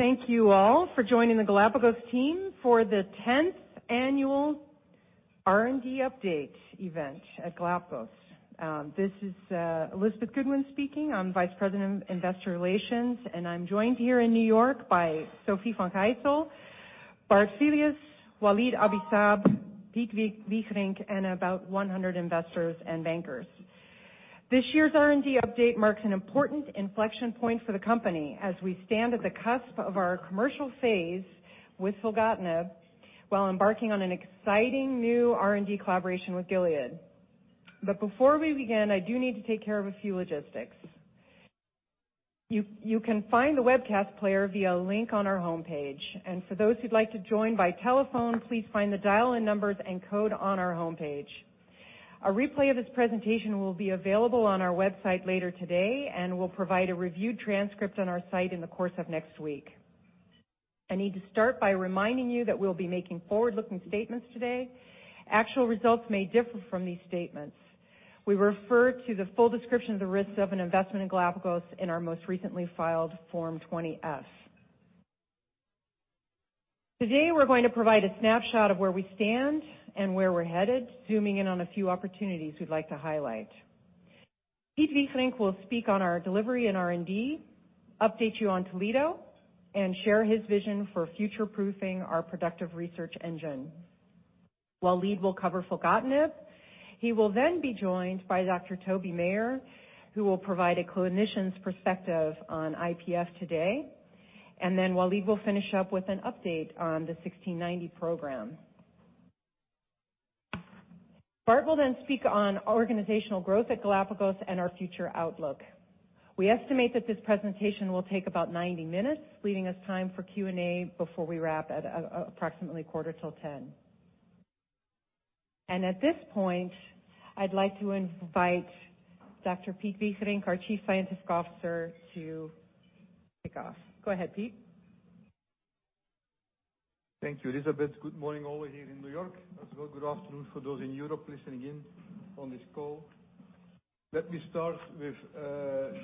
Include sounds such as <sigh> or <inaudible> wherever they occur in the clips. Thank you all for joining the Galapagos team for the 10th annual R&D update event at Galapagos. This is Elizabeth Goodwin speaking. I'm Vice President, Investor Relations. I'm joined here in New York by Sofie Van Gijsel, Bart Filius, Walid Abi-Saab, Piet Wigerinck, and about 100 investors and bankers. This year's R&D update marks an important inflection point for the company, as we stand at the cusp of our commercial phase with filgotinib while embarking on an exciting new R&D collaboration with Gilead. But before we begin, I do need to take care of a few logistics. You can find the webcast player via a link on our homepage. For those who'd like to join by telephone, please find the dial-in numbers and code on our homepage. A replay of this presentation will be available on our website later today. We'll provide a reviewed transcript on our site in the course of next week. I need to start by reminding you that we'll be making forward-looking statements today. Actual results may differ from these statements. We refer to the full description of the risks of an investment in Galapagos in our most recently filed Form 20-F. Today, we're going to provide a snapshot of where we stand and where we're headed, zooming in on a few opportunities we'd like to highlight. Piet Wigerinck will speak on our delivery and R&D, update you on Toledo, and share his vision for future-proofing our productive research engine. Walid will cover filgotinib. He will then be joined by Dr. Toby Maher, who will provide a clinician's perspective on IPF today, and then Walid will finish up with an update on the 1690 program. Bart will then speak on organizational growth at Galapagos and our future outlook. We estimate that this presentation will take about 90 minutes, leaving us time for Q&A before we wrap at approximately 9:45 A.M. till 10:00 A.M. At this point, I'd like to invite Dr. Piet Wigerinck, our Chief Scientific Officer, to kick off. Go ahead, Piet. Thank you, Elizabeth. Good morning over here in New York. Good afternoon for those in Europe listening in on this call. Let me start with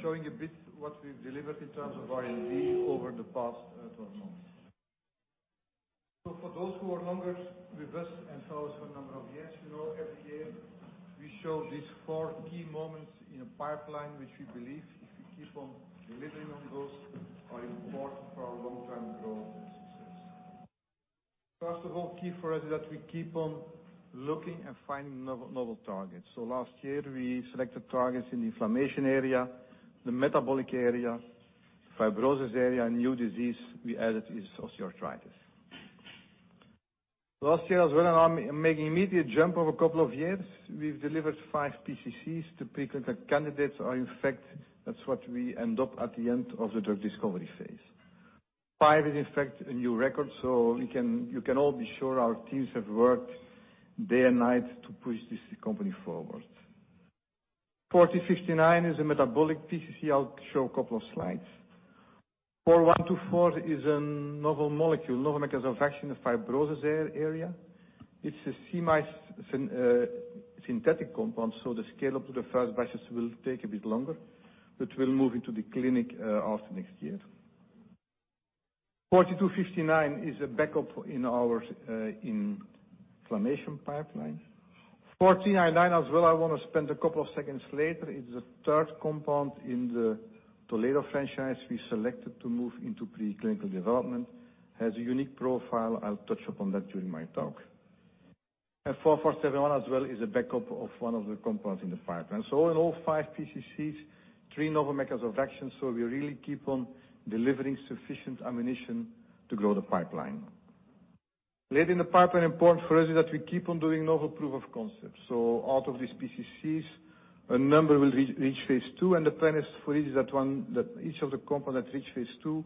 showing a bit what we've delivered in terms of R&D over the past 12 months. For those who are longer with us and follow us for a number of years, you know every year, we show these four key moments in a pipeline, which we believe if we keep on delivering on those, are important for our long-term growth and success. First of all, key for us is that we keep on looking and finding novel targets. Last year, we selected targets in the inflammation area, the metabolic area, fibrosis area, a new disease we added is osteoarthritis. Last year as well, I'm making immediate jump of a couple of years, we've delivered five PCCs to pre-clinical candidates. In fact, that's what we end up at the end of the drug discovery phase. Five is in fact a new record., so you can all be sure our teams have worked day and night to push this company forward. 4059 is a metabolic PCC. I'll show a couple of slides. 4124 is a novel molecule, novel mechanism of action in the fibrosis area. It's a chemically synthesized compound. The scale-up to the first batches will take a bit longer, but we'll move into the clinic after next year. 4259 is a backup in our inflammation pipeline. 4399 as well, I want to spend a couple of seconds later, is the third compound in the Toledo franchise we selected to move into preclinical development, has a unique profile. I'll touch upon that during my talk. 4471 as well is a backup of one of the compounds in the pipeline. In all five PCCs, three novel mechanisms of action. We really keep on delivering sufficient ammunition to grow the pipeline. Later in the pipeline, important for us is that we keep on doing novel proof of concepts. Out of these PCCs, a number will reach phase II, and the plan is for each of the compounds that reach phase II,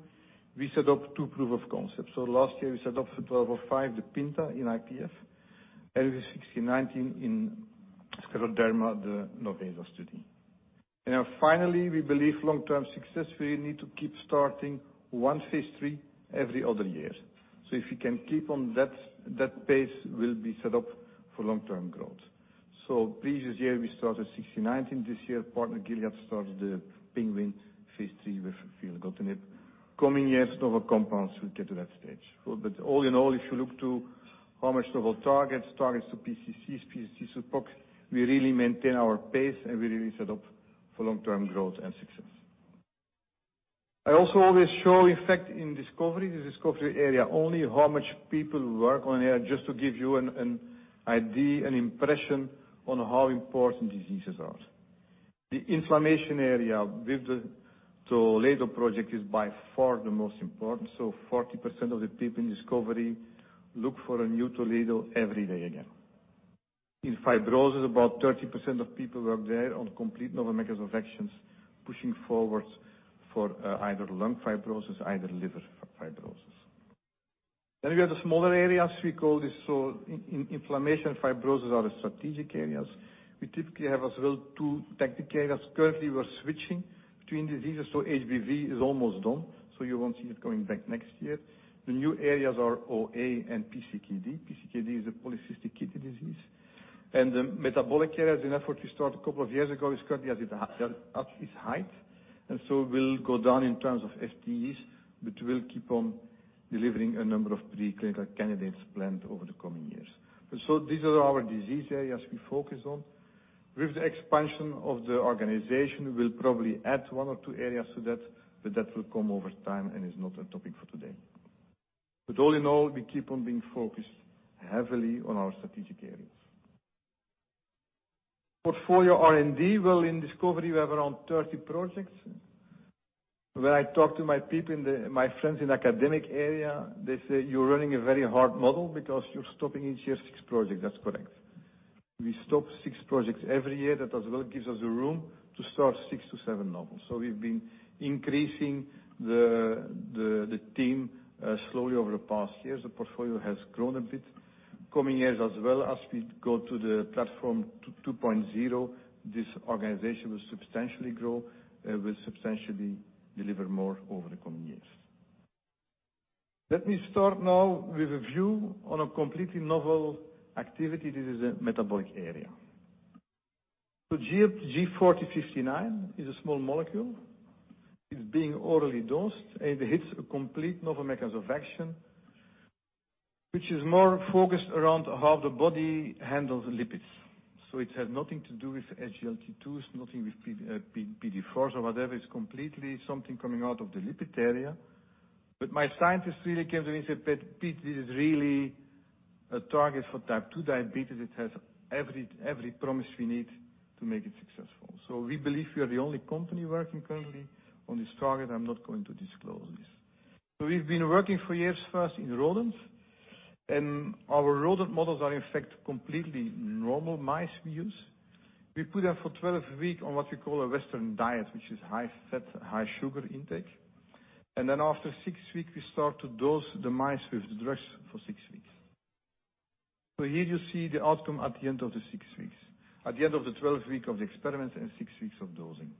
we set up two proof of concepts. Last year, we set up for 1205, the PINTA in IPF, 1690 in Scleroderma, the NOVESA study. Finally, we believe long-term success, we need to keep starting one phase III every other year. If we can keep on that pace, we'll be set up for long-term growth. So, previous year, we started 1690. This year, partner Gilead starts the PENGUIN phase III with filgotinib. Coming years, novel compounds will get to that stage. All in all, if you look to how much novel targets to PCCs to PoCs, we really maintain our pace, and we really set up for long-term growth and success. I also always show, in fact in discovery, the discovery area only, how much people work on here, just to give you an idea, an impression on how important diseases are. The inflammation area with the Toledo project is by far the most important. 40% of the people in discovery look for a new Toledo every day again. In fibrosis, about 30% of people work there on complete novel mechanisms of actions, pushing forward for either lung fibrosis, either liver fibrosis. We have the smaller areas. We call this inflammation, fibrosis are the strategic areas. We typically have as well two tactic areas. Currently, we're switching between diseases. HBV is almost done, so you won't see it coming back next year. The new areas are OA and PCKD. PCKD is a polycystic kidney disease. The metabolic area is an effort we started a couple of years ago. It is currently at its height, will go down in terms of FTEs, but will keep on delivering a number of pre-clinical candidates planned over the coming years. These are our disease areas we focus on. With the expansion of the organization, we'll probably add one or two areas to that will come over time and is not a topic for today. All in all, we keep on being focused heavily on our strategic areas. Portfolio R&D. Well, in discovery we have around 30 projects. When I talk to my friends in academic area, they say, "You're running a very hard model because you're stopping each year six projects." That's correct. We stop six projects every year. That as well gives us the room to start six to seven novel. We've been increasing the team slowly over the past years. The portfolio has grown a bit coming years as well as we go to the platform 2.0, this organization will substantially grow, will substantially deliver more over the coming years. Let me start now with a view on a completely novel activity, that is the metabolic area. GLPG4059 is a small molecule. It's being orally dosed, and it hits a complete novel mechanism of action, which is more focused around how the body handles lipids. It has nothing to do with SGLT2s, nothing with PD4s or whatever. It's completely something coming out of the lipid area. My scientist really came to me and said, "Piet, this is really a target for type 2 diabetes. It has every promise we need to make it successful." We believe we are the only company working currently on this target. I'm not going to disclose this. We've been working for years first in rodents, and our rodent models are, in fact, completely normal mice we use. We put them for 12 weeks on what we call a Western diet, which is high fat, high sugar intake. After six weeks, we start to dose the mice with the drugs for six weeks. Here you see the outcome at the end of the six weeks. At the end of the 12 weeks of the experiment and six weeks of dosing.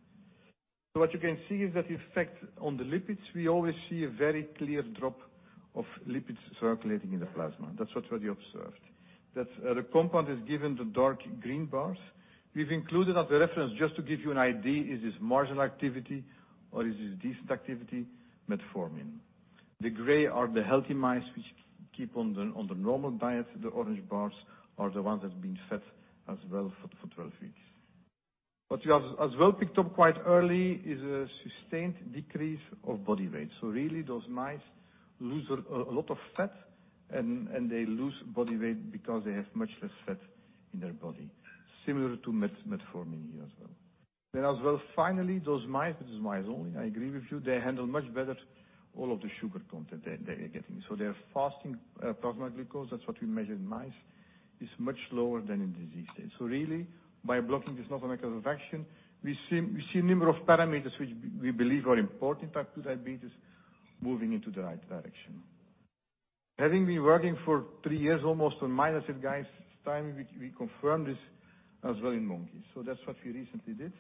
What you can see is that the effect on the lipids, we always see a very clear drop of lipids circulating in the plasma. That's what we observed. The compound is given the dark green bars. We've included as a reference, just to give you an idea, is this marginal activity or is this decent activity, metformin. The gray are the healthy mice which keep on the normal diet. The orange bars are the ones that's been fed as well for 12 weeks. What we as well picked up quite early is a sustained decrease of body weight. So really, those mice lose a lot of fat and they lose body weight because they have much less fat in their body, similar to metformin here as well. As well, finally, those mice, which is mice only, I agree with you, they handle much better all of the sugar content they are getting. Their fasting plasma glucose, that's what we measure in mice, is much lower than in disease state. Really, by blocking this novel mechanism of action, we see a number of parameters which we believe are important type 2 diabetes moving into the right direction. Having been working for three years almost on mice, I said, "Guys, it's time we confirm this as well in monkeys." That's what we recently did.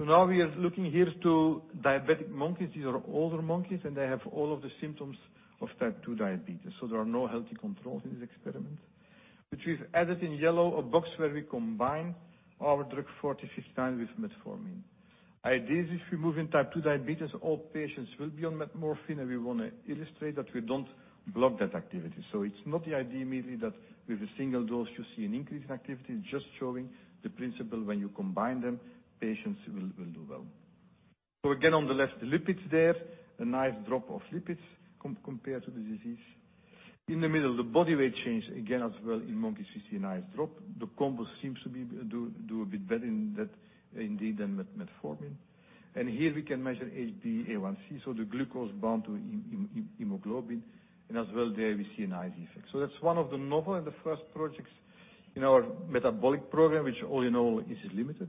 Now we are looking here to diabetic monkeys. These are older monkeys, and they have all of the symptoms of type 2 diabetes. There are no healthy controls in this experiment. Which we've added in yellow a box where we combine our drug 4059 with metformin. Ideas, if we move in type 2 diabetes, all patients will be on metformin, and we want to illustrate that we don't block that activity. It's not the idea immediately that with a single dose you see an increase in activity. It's just showing the principle when you combine them, patients will do well. Again, on the left, the lipids there, a nice drop of lipids compared to the disease. In the middle, the body weight change again as well in monkey, we see a nice drop. The combo seems to do a bit better in that indeed than metformin. Here we can measure HbA1c, so the glucose bound to hemoglobin. As well there we see a nice effect. That's one of the novel and the first projects in our metabolic program, which all in all is limited.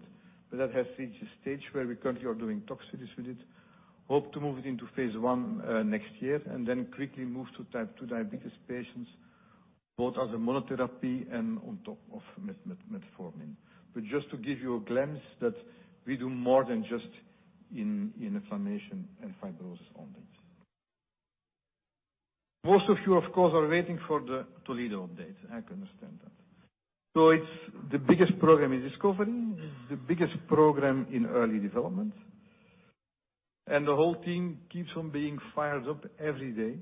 That has reached a stage where we currently are doing toxic studies with it. Hope to move it into phase I next year and then quickly move to type 2 diabetes patients, both as a monotherapy and on top of metformin. Just to give you a glimpse that we do more than just in inflammation and fibrosis only. Most of you, of course, are waiting for the Toledo update. I can understand that. It's the biggest program in discovery. It's the biggest program in early development. The whole team keeps on being fired up every day.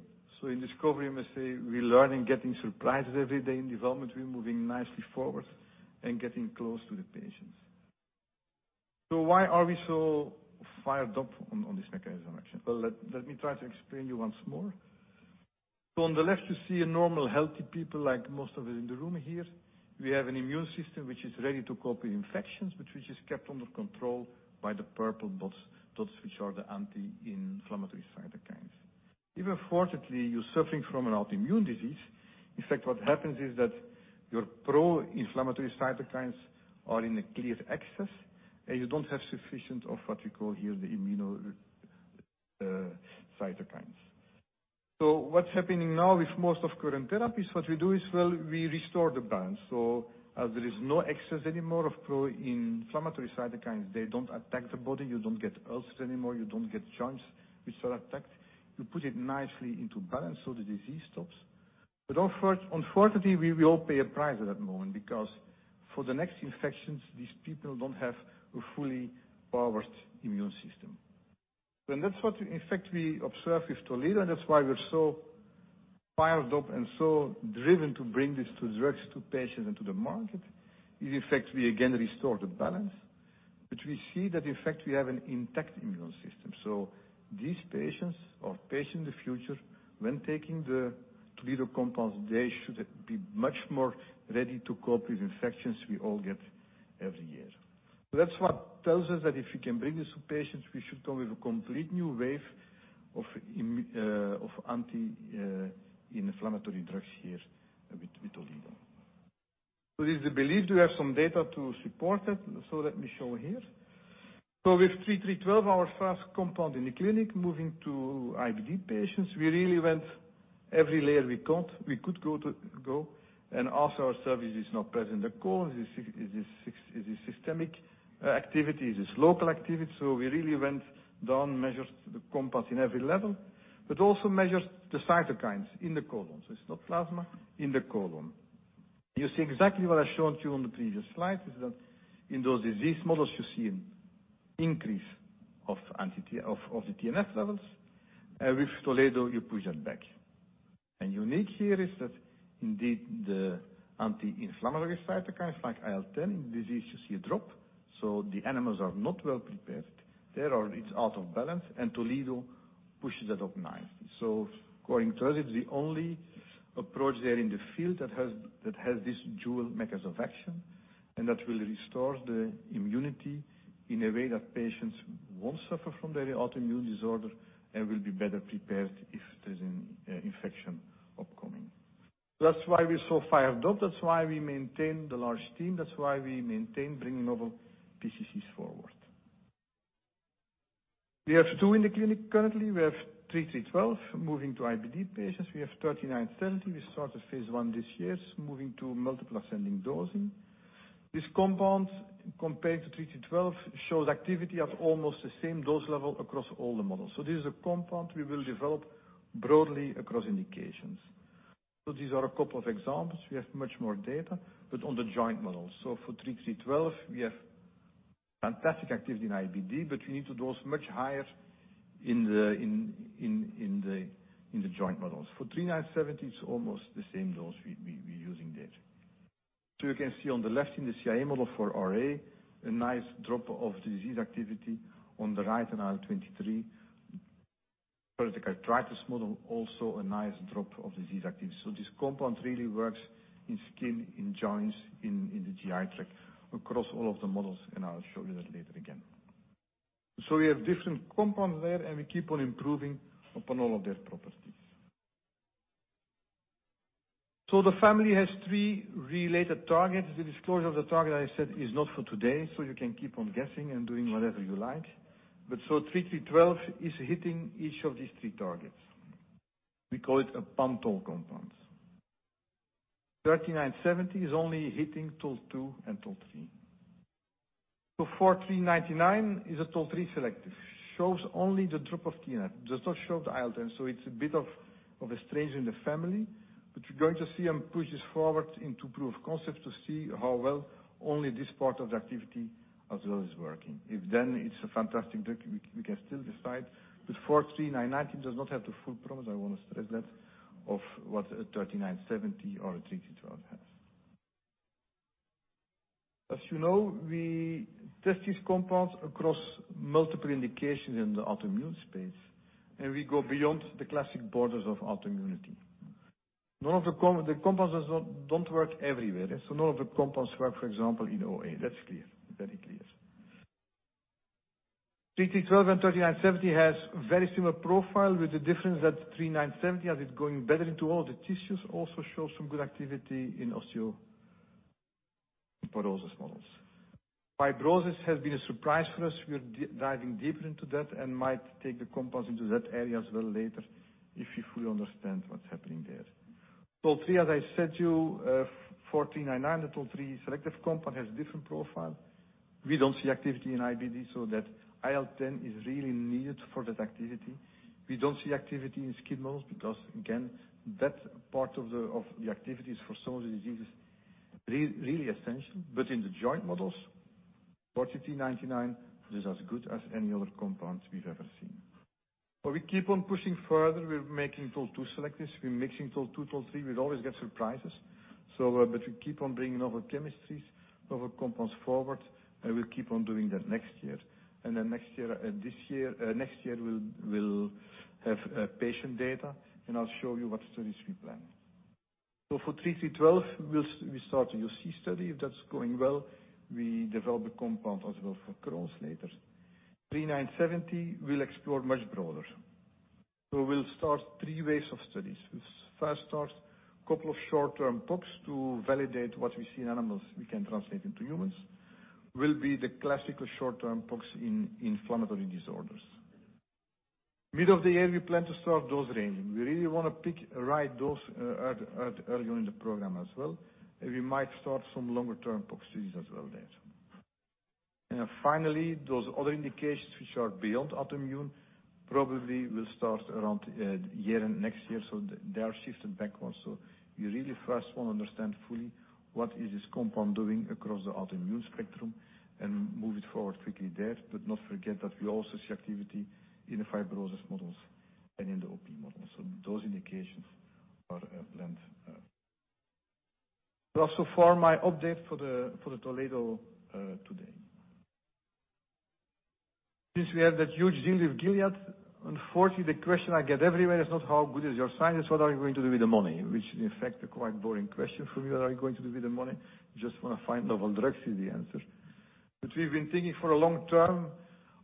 In discovery, I must say, we're learning, getting surprises every day. In development, we're moving nicely forward and getting close to the patients. Why are we so fired up on this mechanism action? Well, let me try to explain you once more. On the left, you see a normal, healthy people like most of us in the room here. We have an immune system which is ready to cope with infections, but which is kept under control by the purple dots which are the anti-inflammatory cytokines. If, unfortunately, you're suffering from an autoimmune disease, in fact, what happens is that your pro-inflammatory cytokines are in a clear excess, and you don't have sufficient of what you call here the immunocytokines. What's happening now with most of current therapies, what we do is well, we restore the balance. As there is no excess anymore of pro-inflammatory cytokines, they don't attack the body. You don't get ulcers anymore. You don't get joints which are attacked. You put it nicely into balance, so the disease stops. Unfortunately, we all pay a price at that moment because for the next infections, these people don't have a fully powered immune system. That's what in effect we observe with Toledo, and that's why we're so fired up and so driven to bring this drug to patients and to the market. In effect, we again restore the balance. We see that, in effect, we have an intact immune system. These patients or patients in the future, when taking the Toledo compounds, they should be much more ready to cope with infections we all get every year. That's what tells us that if we can bring this to patients, we should deliver a complete new wave of anti-inflammatory drugs here with Toledo. There's the belief. Do we have some data to support it? Let me show here. So with 3312, our first compound in the clinic, moving to IBD patients, we really went every layer we could go and ask our services not present. Of course, it is systemic activity, it's local activity. We really went down, measured the compounds in every level, but also measured the cytokines in the colon. It's not plasma, in the colon. You see exactly what I showed you on the previous slide, is that in those disease models you see an increase of the anti TNF— of TNF levels. With Toledo, you push that back. Unique here is that indeed, the anti-inflammatory cytokines, like IL-10 in diseases, you drop. The animals are not well-prepared. There, it's out of balance, Toledo pushes that up nicely. According to us, it is the only approach there in the field that has this dual mechanism of action and that will restore the immunity in a way that patients won't suffer from their autoimmune disorder and will be better prepared if there's an infection upcoming. That's why we're so fired up. That's why we maintain the large team. That's why we maintain bringing novel PCCs forward. We have two in the clinic currently. We have 3312 moving to IBD patients. We have 3970. We started phase I this year, moving to multiple ascending dosing. This compound, compared to 3312, shows activity at almost the same dose level across all the models. This is a compound we will develop broadly across indications. These are a couple of examples. We have much more data, but on the joint models. For 3312, we have fantastic activity in IBD, but we need to dose much higher in the joint models. For 3970, it is almost the same dose we are using there. You can see on the left in the CIA model for RA, a nice drop of disease activity. On the right, an IL-23 for the arthritis model, also a nice drop of disease activity. This compound really works in skin, in joints, in the GI tract, across all of the models, and I will show you that later again. We have different compounds there, and we keep on improving upon all of their properties. The family has three related targets. The disclosure of the target, I said, is not for today, so you can keep on guessing and doing whatever you like. 3312 is hitting each of these three targets. We call it a pantol compounds. 3970 is only hitting TOL-2 and TOL-3. 4399 is a TOL-3 selective. Shows only the drop of TNF. Does not show the IL-10, it's a bit of a strange in the family. You're going to see them push this forward into proof of concept to see how well only this part of the activity as well is working. If it's a fantastic drug, we can still decide. This 4399 does not have the full promise, I want to stress that, of what a 3970 or a 3312 has. As you know, we test these compounds across multiple indications in the autoimmune space, we go beyond the classic borders of autoimmunity. The compounds don't work everywhere. None of the compounds work, for example, in OA. That's clear. Very clear. 3312 and 3970 has very similar profile with the difference that 3970, as it's going better into all the tissues, also shows some good activity in osteoporosis models. Fibrosis has been a surprise for us. We're diving deeper into that and might take the compounds into that area as well later if we fully understand what's happening there. TOL-3, as I said to you, 4399, the TOL-3 selective compound, has different profile. We don't see activity in IBD, so that IL-10 is really needed for that activity. We don't see activity in skin models because, again, that part of the activity is for some of the diseases really essential. In the joint models, 4399 is as good as any other compounds we've ever seen. We keep on pushing further. We're making TOL-2 selectives. We're mixing TOL-2, TOL-3. We'll always get surprises. We keep on bringing novel chemistries, novel compounds forward, and we'll keep on doing that next year. Next year, we'll have patient data, and I'll show you what studies we plan. For 3312, we start a UC study. If that's going well, we develop a compound as well for Crohn's later. 3970, we'll explore much broader. We'll start three waves of studies. We first start couple of short-term POCs to validate what we see in animals we can translate into humans, will be the classical short-term POCs in inflammatory disorders. Middle of the year, we plan to start dose ranging. We really want to pick the right dose early on in the program as well, and we might start some longer-term POC studies as well there. Finally, those other indications which are beyond autoimmune probably will start around a year and next year. They are shifted back also. We really first want to understand fully what is this compound doing across the autoimmune spectrum and move it forward quickly there. Not forget that we also see activity in the fibrosis models and in the OP models. Those indications are planned. That's so far my update for the Toledo today. Since we have that huge deal with Gilead, unfortunately, the question I get everywhere is not how good is your science, what are you going to do with the money? Which is in fact a quite boring question for me. What are you going to do with the money? Just want to find novel drugs, is the answer. We've been thinking for a long term,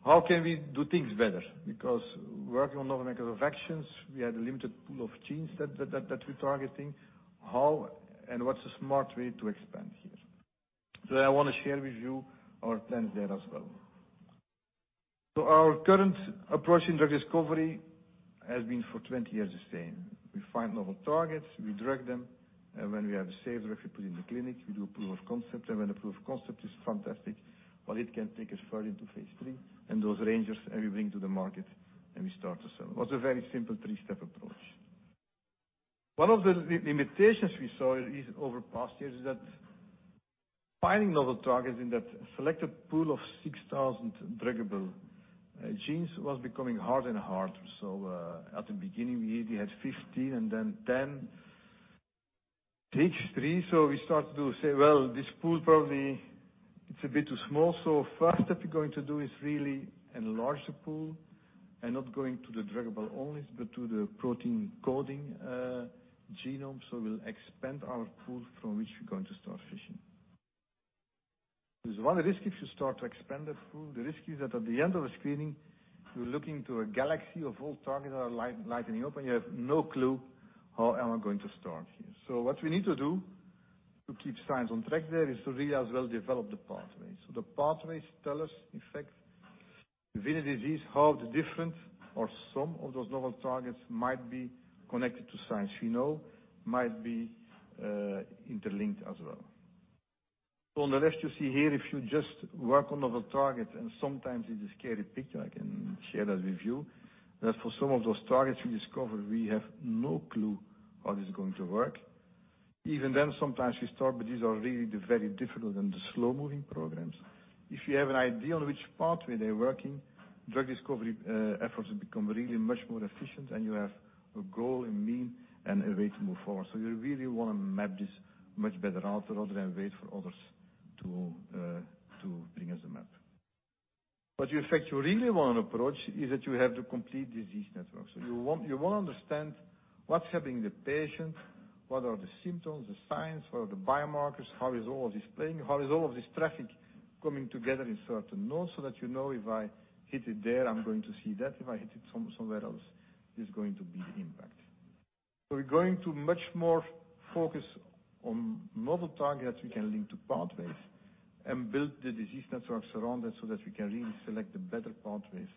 how can we do things better? Because working on novel mechanisms of actions, we had a limited pool of genes that we're targeting. How and what's the smart way to expand here? I want to share with you our plans there as well. Our current approach in drug discovery has been for 20 years the same. We find novel targets, we drug them, and when we have a safe drug, we put in the clinic. We do a proof of concept, and when the proof of concept is fantastic, well, it can take us further into phase III and those ranges, and we bring to the market, and we start to sell. It was a very simple three-step approach. One of the limitations we saw is over past years is that finding novel targets in that selected pool of 6,000 druggable genes was becoming harder and harder. At the beginning, we had 15 and then 10, phase III. We start to say, "Well, this pool probably it's a bit too small." First step we're going to do is really enlarge the pool and not going to the druggable only, but to the protein coding genome. We'll expand our pool from which we're going to start fishing. There's one risk if you start to expand the pool. The risk is that at the end of the screening, you're looking to a galaxy of all targets are lighting open. You have no clue how am I going to start here. What we need to do to keep science on track there is to really as well develop the pathways. The pathways tell us, in fact, within a disease how the different or some of those novel targets might be connected to science we know might be interlinked as well. On the left you see here if you just work on novel targets and sometimes it's a scary picture, I can share that with you. For some of those targets we discover we have no clue how this is going to work. Even then, sometimes we start, but these are really the very difficult and the slow-moving programs. If you have an idea on which pathway they're working, drug discovery efforts become really much more efficient, and you have a goal in mean and a way to move forward. You really want to map this much better out rather than wait for others to bring us a map. You really want to approach is that you have the complete disease network. You want to understand what's happening, the patient, what are the symptoms, the signs, what are the biomarkers, how is all of this playing, how is all of this traffic coming together in certain nodes so that you know if I hit it there, I'm going to see that. If I hit it somewhere else, it's going to be the impact. We're going to much more focus on novel targets we can link to pathways and build the disease networks around it so that we can really select the better pathways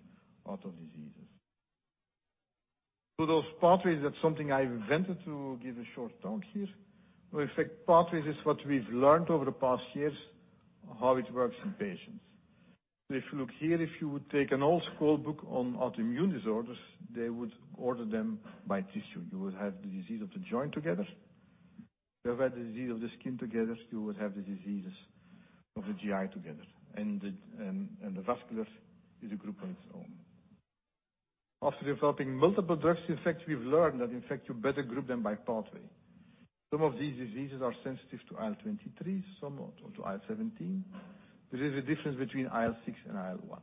out of diseases. Those pathways, that's something I invented to give a short talk here. In fact, pathways is what we've learned over the past years how it works in patients. If you look here, if you would take an old school book on autoimmune disorders, they would order them by tissue. You would have the disease of the joint together. You have had the disease of the skin together. You would have the diseases of the GI together. The vascular is a group on its own. After developing multiple drugs, in fact, we've learned that in fact you better group them by pathway. Some of these diseases are sensitive to IL-23, some to IL-17. There is a difference between IL-6 and IL-1.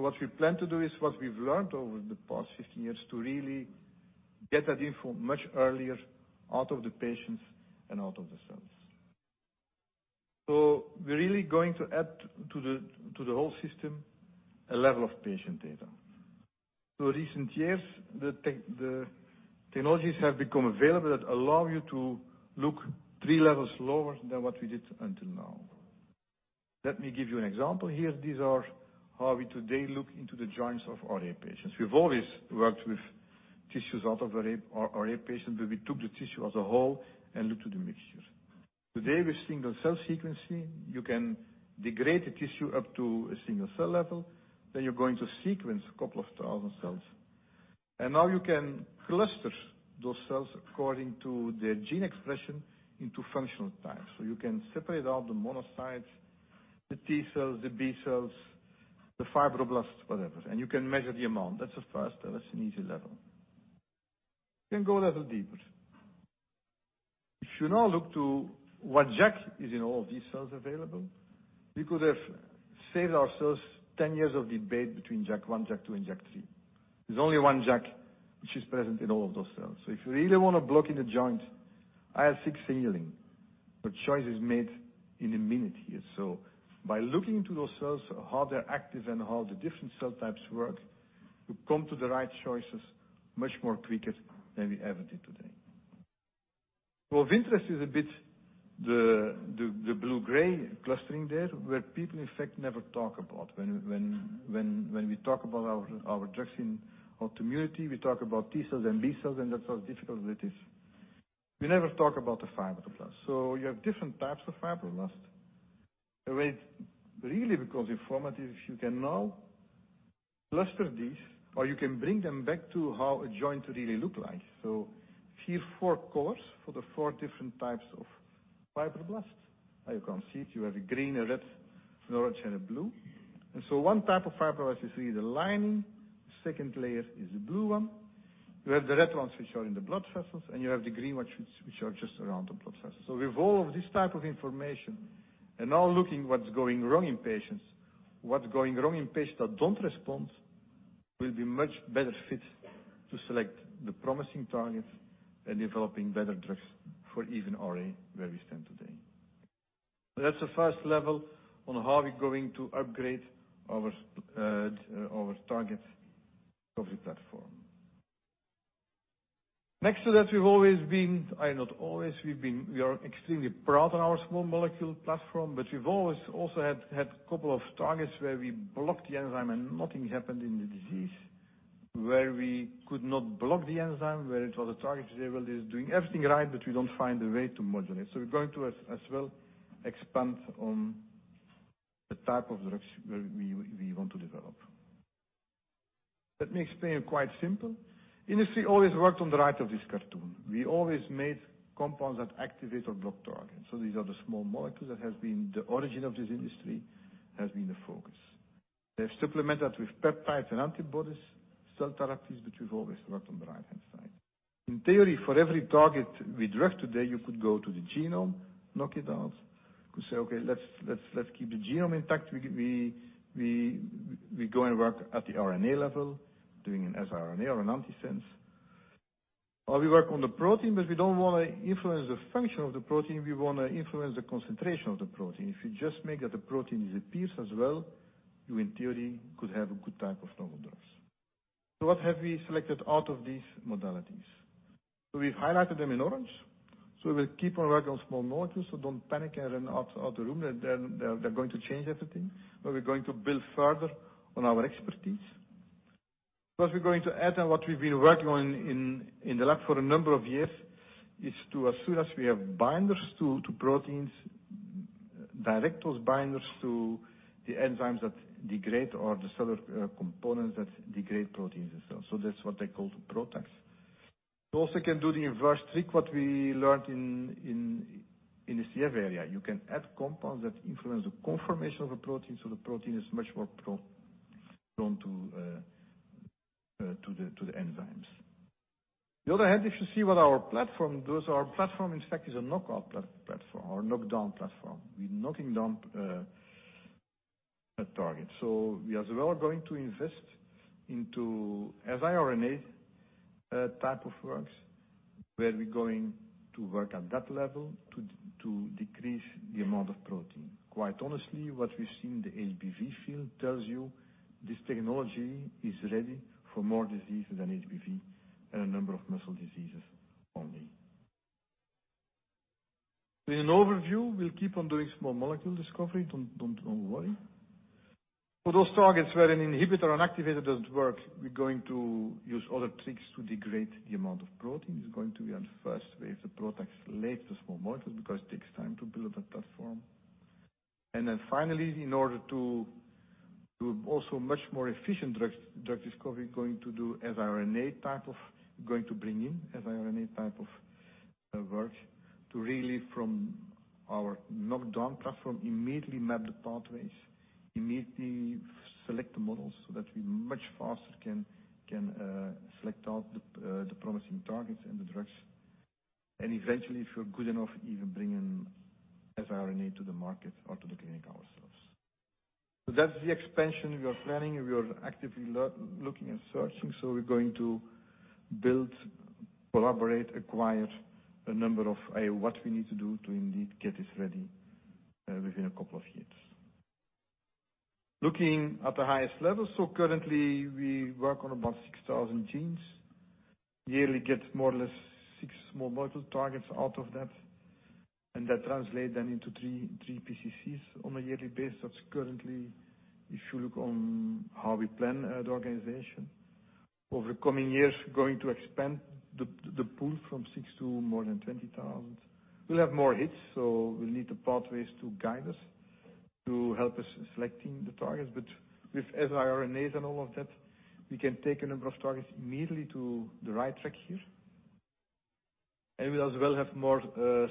What we plan to do is what we've learned over the past 15 years to really get that info much earlier out of the patients and out of the cells. We're really going to add to the whole system a level of patient data. Recent years, the technologies have become available that allow you to look three levels lower than what we did until now. Let me give you an example here. These are how we today look into the joints of our patients. We've always worked with tissues out of our patients, where we took the tissue as a whole and looked to the mixtures. Today with single cell sequencing, you can degrade the tissue up to a single cell level. You're going to sequence a couple of 1,000 cells. Now you can cluster those cells according to their gene expression into functional types. You can separate out the monocytes, the T-cells, the B-cells, the fibroblasts, whatever. You can measure the amount. That's the first. That's an easy level. You can go a little deeper. If you now look to what JAK is in all of these cells available, we could have saved ourselves 10 years of debate between JAK1, JAK2, and JAK3. There's only one JAK which is present in all of those cells. If you really want to block in a joint, IL-6 signaling, the choice is made in a minute here. By looking into those cells, how they're active and how the different cell types work, you come to the right choices much more quicker than we ever did today. Of interest is a bit the blue-gray clustering there where people, in fact, never talk about. When we talk about our drugs in autoimmunity, we talk about T-cells and B-cells, and that's how difficult it is. We never talk about the fibroblasts. You have different types of fibroblasts. The way it's really becomes informative, if you can now cluster these or you can bring them back to how a joint really look like. Here, four colors for the four different types of fibroblasts. You can see it. You have a green, a red, an orange, and a blue. One type 1 of fibroblast you see the lining. The second layer is the blue one. You have the red ones which are in the blood vessels, and you have the green ones which are just around the blood vessels. With all of this type of information and now looking what's going wrong in patients, what's going wrong in patients that don't respond, will be much better fit to select the promising targets and developing better drugs for even already where we stand today. So that's the first level on how we're going to upgrade our targets of the platform. Next to that, we are extremely proud on our small molecule platform, but we've always also had couple of targets where we block the enzyme and nothing happened in the disease, where we could not block the enzyme, where it was a target, say, well, it is doing everything right, but we don't find a way to modulate. We're going to as well expand on the type of drugs we want to develop. Let me explain it quite simple. Industry always worked on the right of this cartoon. We always made compounds that activate or block targets. These are the small molecules that has been the origin of this industry, has been the focus. They've supplemented with peptides and antibodies, cell therapies, but we've always worked on the right-hand side. In theory, for every target with drug today, you could go to the genome, knock it out. Could say, "Okay, let's keep the genome intact." We go and work at the RNA level doing an siRNA or an antisense, or we work on the protein, but we don't want to influence the function of the protein. We want to influence the concentration of the protein. If you just make that the protein disappears as well, you, in theory, could have a good type of novel drugs. What have we selected out of these modalities? We've highlighted them in orange. We'll keep on working on small molecules, so don't panic and run out the room that they're going to change everything. We're going to build further on our expertise. We're going to add on what we've been working on in the lab for a number of years, is to, as soon as we have binders to proteins, direct those binders to the enzymes that degrade, or the cellular components that degrade proteins themselves. That's what they call the PROTACs. Also can do the inverse trick, what we learned in the CF area. You can add compounds that influence the conformation of a protein, so the protein is much more prone to the enzymes. The other hand, if you see what our platform does, our platform, in fact, is a knockout platform or knockdown platform. We're knocking down a target. So, we as well are going to invest into siRNA type of drugs where we're going to work at that level to decrease the amount of protein. Quite honestly, what we've seen in the HBV field tells you this technology is ready for more diseases than HBV and a number of muscle diseases only. In overview, we'll keep on doing small molecule discovery. Don't worry. For those targets where an inhibitor and activator doesn't work, we're going to use other tricks to degrade the amount of protein. It's going to be in the first wave, the PROTACs, late the small molecule, because it takes time to build up a platform. Finally, in order to also much more efficient drug discovery, we're going to bring in siRNA type of work to really, from our knockdown platform, immediately map the pathways, immediately select the models, that we much faster can select out the promising targets and the drugs. Eventually, if we're good enough, even bring in siRNA to the market or to the clinic ourselves. That's the expansion we are planning. We are actively looking and searching. We're going to build, collaborate, acquire a number of what we need to do to indeed get this ready within a couple of years. Looking at the highest level. So, currently, we work on about 6,000 genes. Yearly, get more or less six small molecule targets out of that, and that translate then into three PCCs on a yearly basis. That's currently, if you look on how we plan the organization. Over the coming years, going to expand the pool from 6,000 to more than 20,000. We'll have more hits, we'll need the pathways to guide us, to help us selecting the targets. With siRNAs and all of that, we can take a number of targets immediately to the right track here. We'll as well have more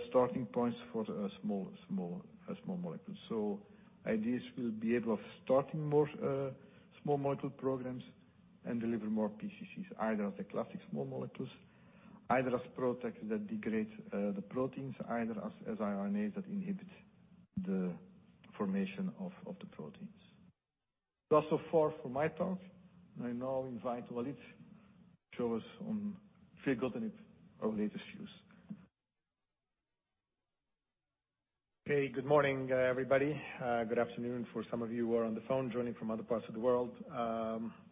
starting points for the small molecules. So, ideas will be able of starting more small molecule programs and deliver more PCCs, either as the classic small molecules, either as PROTAC that degrade the proteins, either as siRNAs that inhibit the formation of the proteins. That's so far for my talk. I now invite Walid show us on filgotinib, our latest use. Okay. Good morning, everybody. Good afternoon for some of you who are on the phone joining from other parts of the world.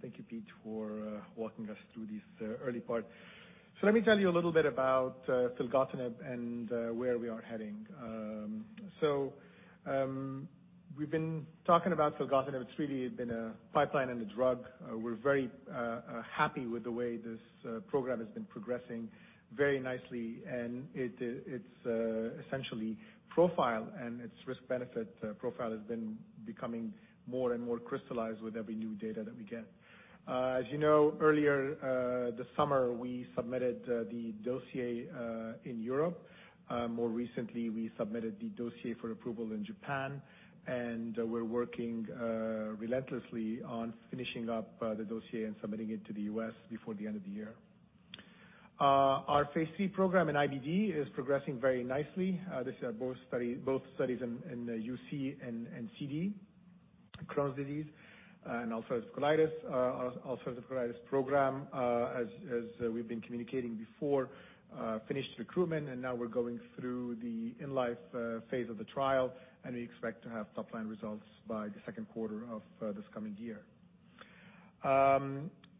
Thank you, Piet, for walking us through this early part. Let me tell you a little bit about filgotinib, and where we are heading. So, we've been talking about filgotinib. It's really been a pipeline and a drug. We're very happy with the way this program has been progressing very nicely. And it is.. It's essentially profile, and it's risk benefit profile has been becoming more and more crystallized with every new data that we get. As you know, earlier this summer, we submitted the dossier in Europe. More recently, we submitted the dossier for approval in Japan, and we're working relentlessly on finishing up the dossier and submitting it to the U.S. before the end of the year. Our phase III program in IBD is progressing very nicely. These are both studies in UC and CD, Crohn's disease and ulcerative colitis. Ulcerative colitis program, as we've been communicating before, finished recruitment and now we're going through the in-life phase of the trial, and we expect to have top-line results by the second quarter of this coming year.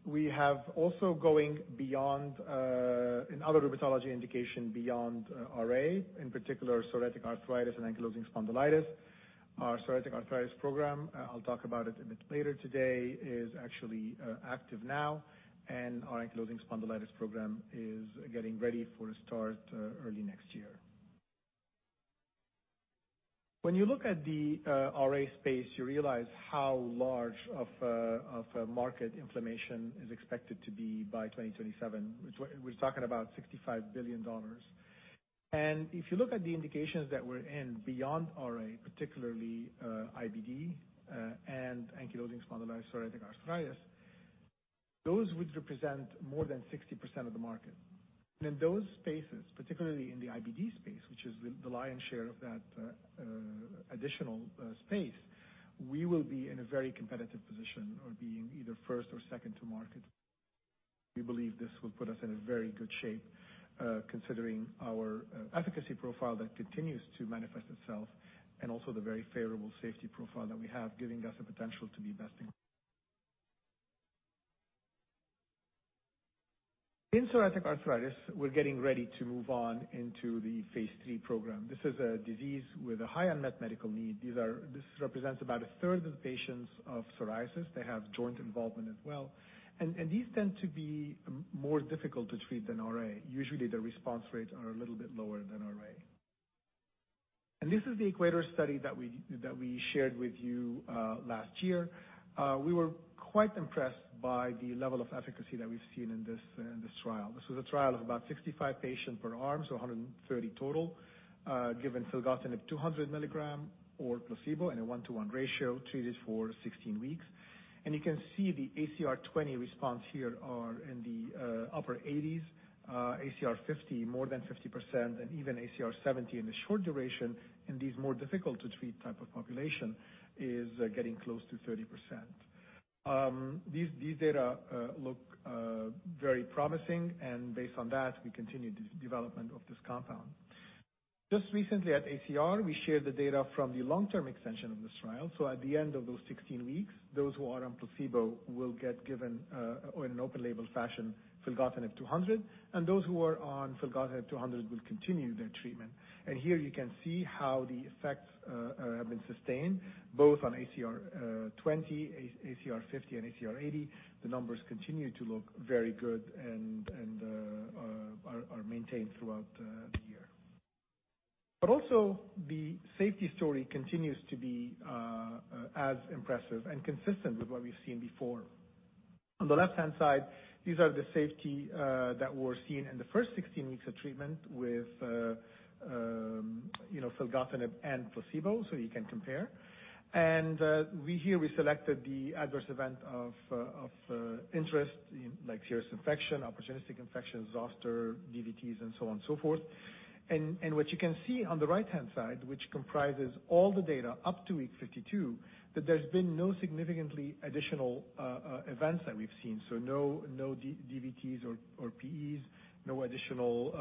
We have also going beyond, in other rheumatology indication beyond RA, in particular psoriatic arthritis and ankylosing spondylitis. Our psoriatic arthritis program, I'll talk about it a bit later today, is actually active now, and our ankylosing spondylitis program is getting ready for a start early next year. When you look at the RA space, you realize how large of a market inflammation is expected to be by 2027. We're talking about EUR 65 billion. If you look at the indications that we're in beyond RA, particularly IBD and ankylosing spondylitis, psoriatic arthritis, those would represent more than 60% of the market. In those spaces, particularly in the IBD space, which is the lion's share of that additional space, we will be in a very competitive position or being either first or second to market. We believe this will put us in a very good shape, considering our efficacy profile that continues to manifest itself, and also the very favorable safety profile that we have, giving us the potential to be best in. In psoriatic arthritis, we're getting ready to move on into the phase III program. This is a disease with a high unmet medical need. This represents about a third of the patients of psoriasis. They have joint involvement as well. And these tend to be more difficult to treat than RA. Usually, the response rates are a little bit lower than RA. This is the EQUATOR study that we shared with you last year. We were quite impressed by the level of efficacy that we've seen in this trial. This was a trial of about 65 patients per arm, so 130 total, given filgotinib 200 or placebo in a one-to-one ratio, treated for 16 weeks. And you can see the ACR20 response here are in the upper 80%. ACR50, more than 50%, and even ACR70 in the short duration in these more difficult to treat type of population is getting close to 30%. These data look very promising, and based on that, we continue the development of this compound. Just recently at ACR, we shared the data from the long-term extension of this trial. At the end of those 16 weeks, those who are on placebo will get given, in an open label fashion, filgotinib 200. Those who are on filgotinib 200 will continue their treatment. Here you can see how the effects have been sustained, both on ACR20, ACR50, and ACR80. The numbers continue to look very good and are maintained throughout the year. Also, the safety story continues to be as impressive and consistent with what we've seen before. On the left-hand side, these are the safety that were seen in the first 16 weeks of treatment with filgotinib and placebo, so you can compare. And here, we selected the adverse event of interest, like serious infection, opportunistic infection, zoster, DVTs, and so on and so forth. What you can see on the right-hand side, which comprises all the data up to week 52, that there's been no significantly additional events that we've seen. No DVTs or PEs, no additional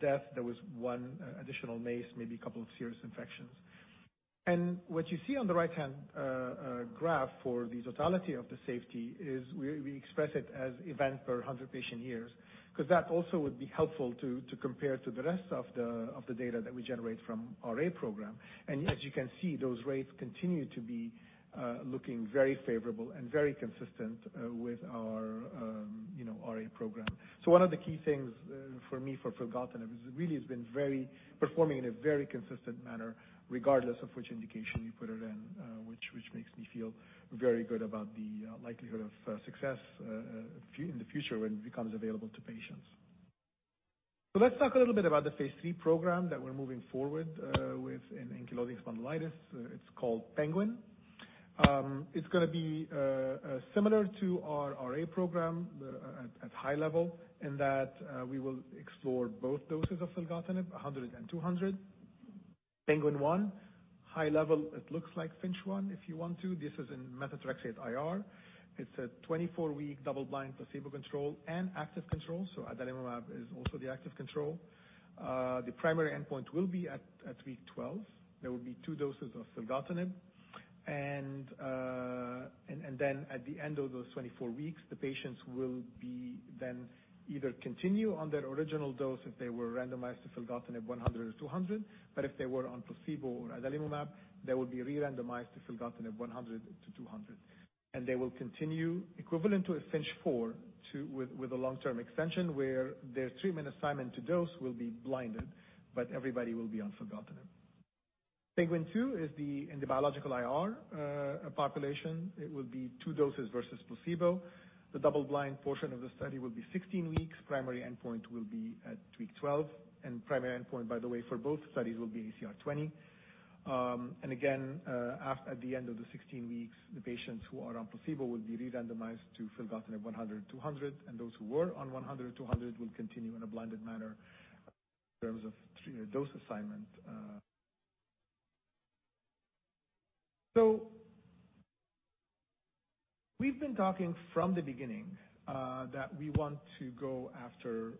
death. There was one additional MACE, maybe a couple of serious infections. What you see on the right-hand graph for the totality of the safety is we express it as event per 100 patient years, because that also would be helpful to compare to the rest of the data that we generate from RA program. As you can see, those rates continue to be looking very favorable and very consistent with our RA program. So one of the key things for me for filgotinib is it really has been performing in a very consistent manner, regardless of which indication you put it in, which makes me feel very good about the likelihood of success in the future when it becomes available to patients. Let's talk a little bit about the phase III program that we're moving forward with in ankylosing spondylitis. It's called PENGUIN. It's going to be similar to our RA program at high level in that we will explore both doses of filgotinib, 100 and 200. PENGUIN 1, high level, it looks like FINCH 1, if you want to. This is in methotrexate-IR. It's a 24-week double-blind placebo control and active control, so adalimumab is also the active control. The primary endpoint will be at week 12. There will be two doses of filgotinib. Then at the end of those 24 weeks, the patients will be then either continue on their original dose if they were randomized to filgotinib 100 or 200. If they were on placebo or adalimumab, they will be re-randomized to filgotinib 100 to 200. They will continue equivalent to a FINCH 4 with a long-term extension where their treatment assignment to dose will be blinded, but everybody will be on filgotinib. PENGUIN 2 is the biological IR population. It will be two doses versus placebo. The double-blind portion of the study will be 16 weeks. Primary endpoint will be at week 12. Primary endpoint, by the way, for both studies will be ACR20. Again, at the end of the 16 weeks, the patients who are on placebo will be re-randomized to filgotinib 100, 200. Those who were on 100, 200 will continue in a blinded manner in terms of dose assignment. We've been talking from the beginning that we want to go after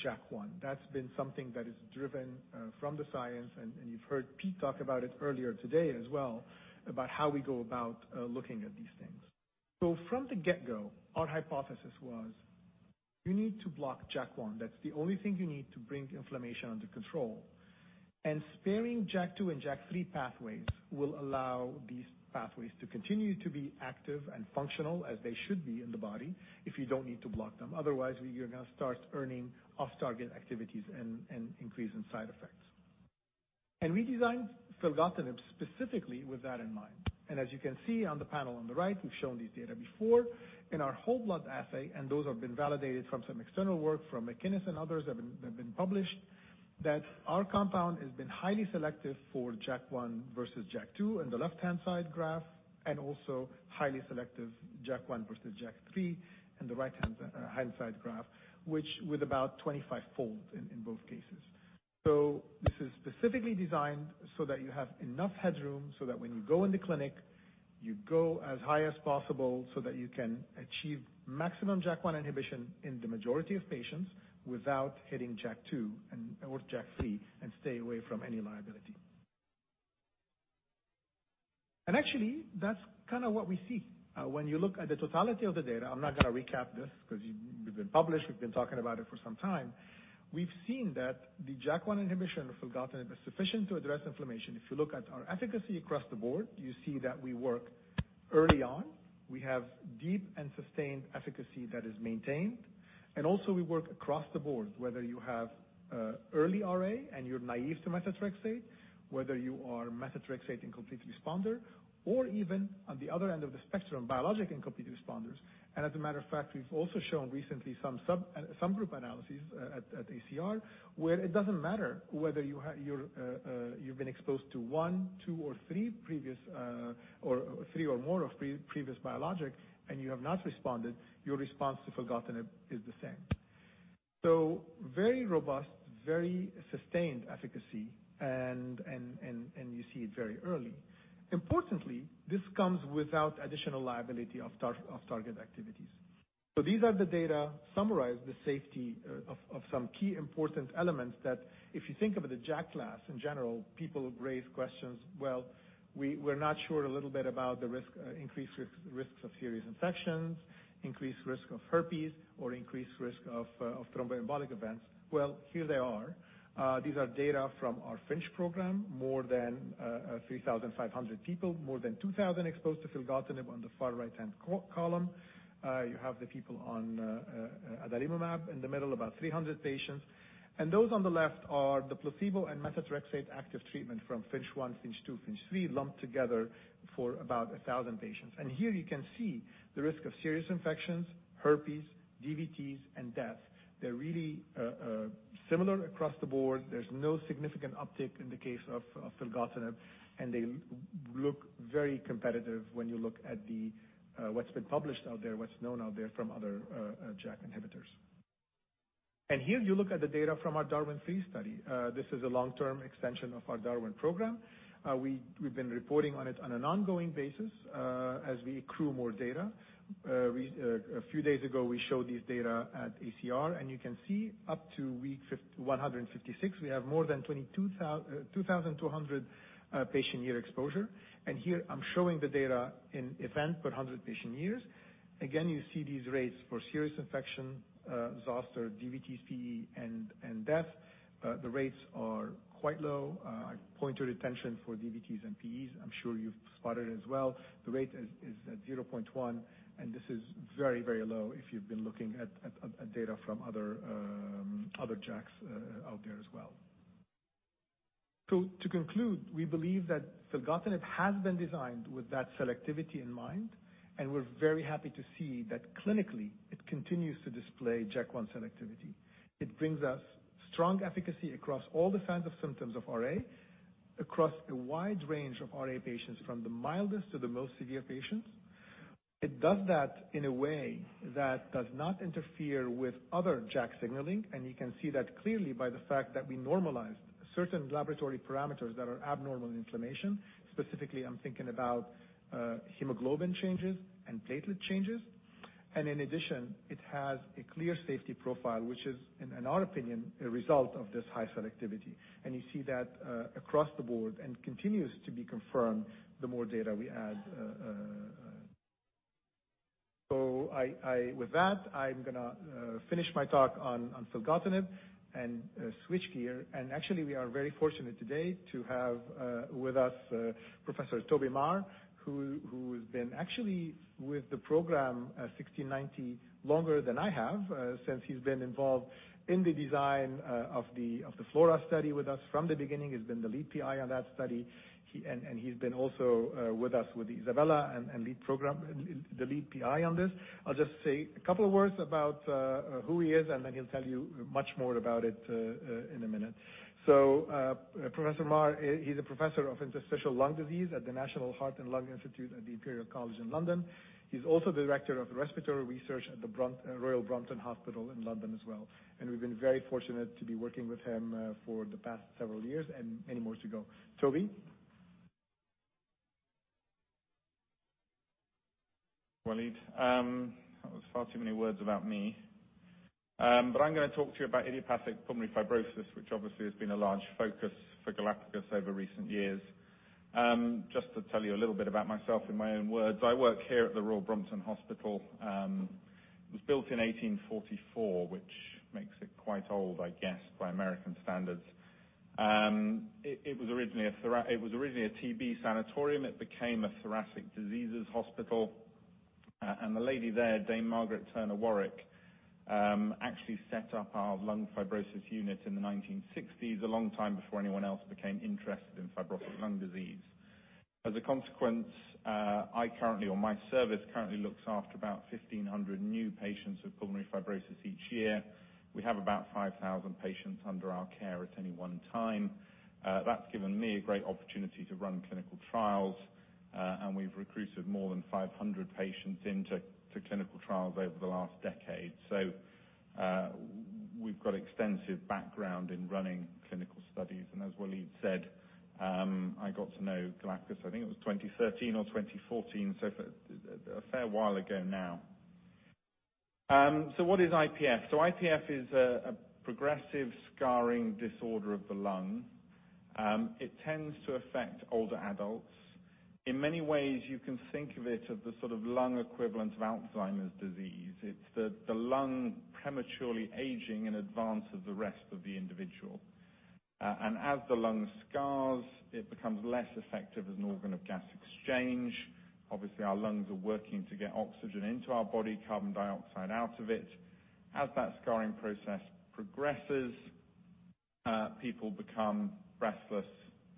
JAK1. That's been something that is driven from the science, and you've heard Piet talk about it earlier today as well, about how we go about looking at these things. From the get-go, our hypothesis was you need to block JAK1. That's the only thing you need to bring inflammation under control. And sparing JAK2 and JAK3 pathways will allow these pathways to continue to be active and functional as they should be in the body if you don't need to block them. Otherwise, you're going to start earning off-target activities and increase in side effects. We designed filgotinib specifically with that in mind. As you can see on the panel on the right, we've shown these data before in our whole blood assay, and those have been validated from some external work from McInnes and others that have been published, that our compound has been highly selective for JAK1 versus JAK2 in the left-hand side graph, and also highly selective JAK1 versus JAK3 in the right-hand side graph, which with about 25-fold in both cases. This is specifically designed so that you have enough headroom so that when you go in the clinic, you go as high as possible so that you can achieve maximum JAK1 inhibition in the majority of patients without hitting JAK2 or JAK3 and stay away from any liability. Actually, that's kind of what we see. When you look at the totality of the data, I'm not going to recap this because we've been published, we've been talking about it for some time. We've seen that the JAK1 inhibition of filgotinib is sufficient to address inflammation. If you look at our efficacy across the board, you see that we work early on. We have deep and sustained efficacy that is maintained. Also we work across the board, whether you have early RA and you're naive to methotrexate, whether you are methotrexate incomplete responder, or even on the other end of the spectrum, biologic incomplete responders. As a matter of fact, we've also shown recently some subgroup analyses at ACR, where it doesn't matter whether you've been exposed to one, two, or three previous, or three or more of previous biologics and you have not responded, your response to filgotinib is the same. Very robust, very sustained efficacy, and you see it very early. Importantly, this comes without additional liability of target activities. These are the data, summarize the safety of some key important elements that if you think of the JAK class in general, people raise questions. Well, we're not sure a little bit about the increased risks of serious infections, increased risk of herpes, or increased risk of thromboembolic events. Well, here they are. These are data from our FINCH program, more than 3,500 people, more than 2,000 exposed to filgotinib on the far right-hand column. You have the people on adalimumab in the middle, about 300 patients. Those on the left are the placebo and methotrexate active treatment from FINCH 1, FINCH 2, FINCH 3 lumped together for about 1,000 patients. Here you can see the risk of serious infections, herpes, DVTs, and death. They're really similar across the board. There's no significant uptick in the case of filgotinib, they look very competitive when you look at what's been published out there, what's known out there from other JAK inhibitors. And here you look at the data from our DARWIN 3 study. This is a long-term extension of our DARWIN program. We've been reporting on it on an ongoing basis as we accrue more data. A few days ago, we showed these data at ACR, you can see up to week 156, we have more than 2,200 patient year exposure. Here I'm showing the data in event per 100 patient years. Again, you see these rates for serious infection, zoster, DVTs, PE, and death. The rates are quite low. I point your attention for DVTs and PEs. I'm sure you've spotted it as well. The rate is at 0.1. This is very, very low if you've been looking at data from other JAKs out there as well. To conclude, we believe that filgotinib has been designed with that selectivity in mind, and we're very happy to see that clinically it continues to display JAK1 selectivity. It brings us strong efficacy across all the kinds of symptoms of RA, across a wide range of RA patients from the mildest to the most severe patients. It does that in a way that does not interfere with other JAK signaling, and you can see that clearly by the fact that we normalized certain laboratory parameters that are abnormal in inflammation. Specifically, I'm thinking about hemoglobin changes and platelet changes. In addition, it has a clear safety profile, which is, in our opinion, a result of this high selectivity. You see that across the board and continues to be confirmed the more data we add. With that, I'm going to finish my talk on filgotinib and switch gear. Actually, we are very fortunate today to have with us Professor Toby Maher, who has been actually with the program-1690 longer than I have, since he's been involved in the design of the FLORA study with us from the beginning. He's been the lead PI on that study, and he's been also with us with ISABELA and the lead PI on this. I'll just say a couple of words about who he is, and then he'll tell you much more about it in a minute. Professor Maher, he's a Professor of Interstitial Lung Disease at the National Heart and Lung Institute at Imperial College London. He's also Director of Respiratory Research at the Royal Brompton Hospital in London as well. We've been very fortunate to be working with him for the past several years and many more to go. Toby? Walid. That was far too many words about me. I'm going to talk to you about idiopathic pulmonary fibrosis, which obviously has been a large focus for Galapagos over recent years. Just to tell you a little bit about myself in my own words. I work here at the Royal Brompton Hospital. It was built in 1844, which makes it quite old, I guess, by American standards. It was originally a TB sanatorium. It became a thoracic diseases hospital. The lady there, Dame Margaret Turner-Warwick, actually set up our lung fibrosis unit in the 1960s, a long time before anyone else became interested in fibrotic lung disease. As a consequence, my service currently looks after about 1,500 new patients with pulmonary fibrosis each year. We have about 5,000 patients under our care at any one time. That's given me a great opportunity to run clinical trials, and we've recruited more than 500 patients into clinical trials over the last decade. We've got extensive background in running clinical studies. As Walid said, I got to know Galapagos, I think it was 2013 or 2014, so a fair while ago now. What is IPF? IPF is a progressive scarring disorder of the lung. It tends to affect older adults. In many ways, you can think of it as the sort of lung equivalent of Alzheimer's disease. It's the lung prematurely aging in advance of the rest of the individual. As the lung scars, it becomes less effective as an organ of gas exchange. Obviously, our lungs are working to get oxygen into our body, carbon dioxide out of it. As that scarring process progresses, people become breathless.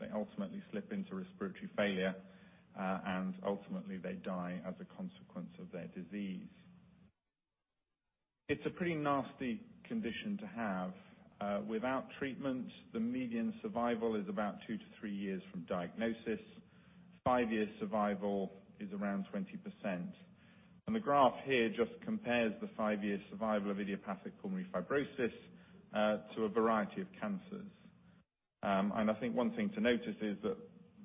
They ultimately slip into respiratory failure, ultimately they die as a consequence of their disease. It's a pretty nasty condition to have. Without treatment, the median survival is about two to three years from diagnosis. Five-year survival is around 20%. The graph here just compares the five-year survival of idiopathic pulmonary fibrosis to a variety of cancers. I think one thing to notice is that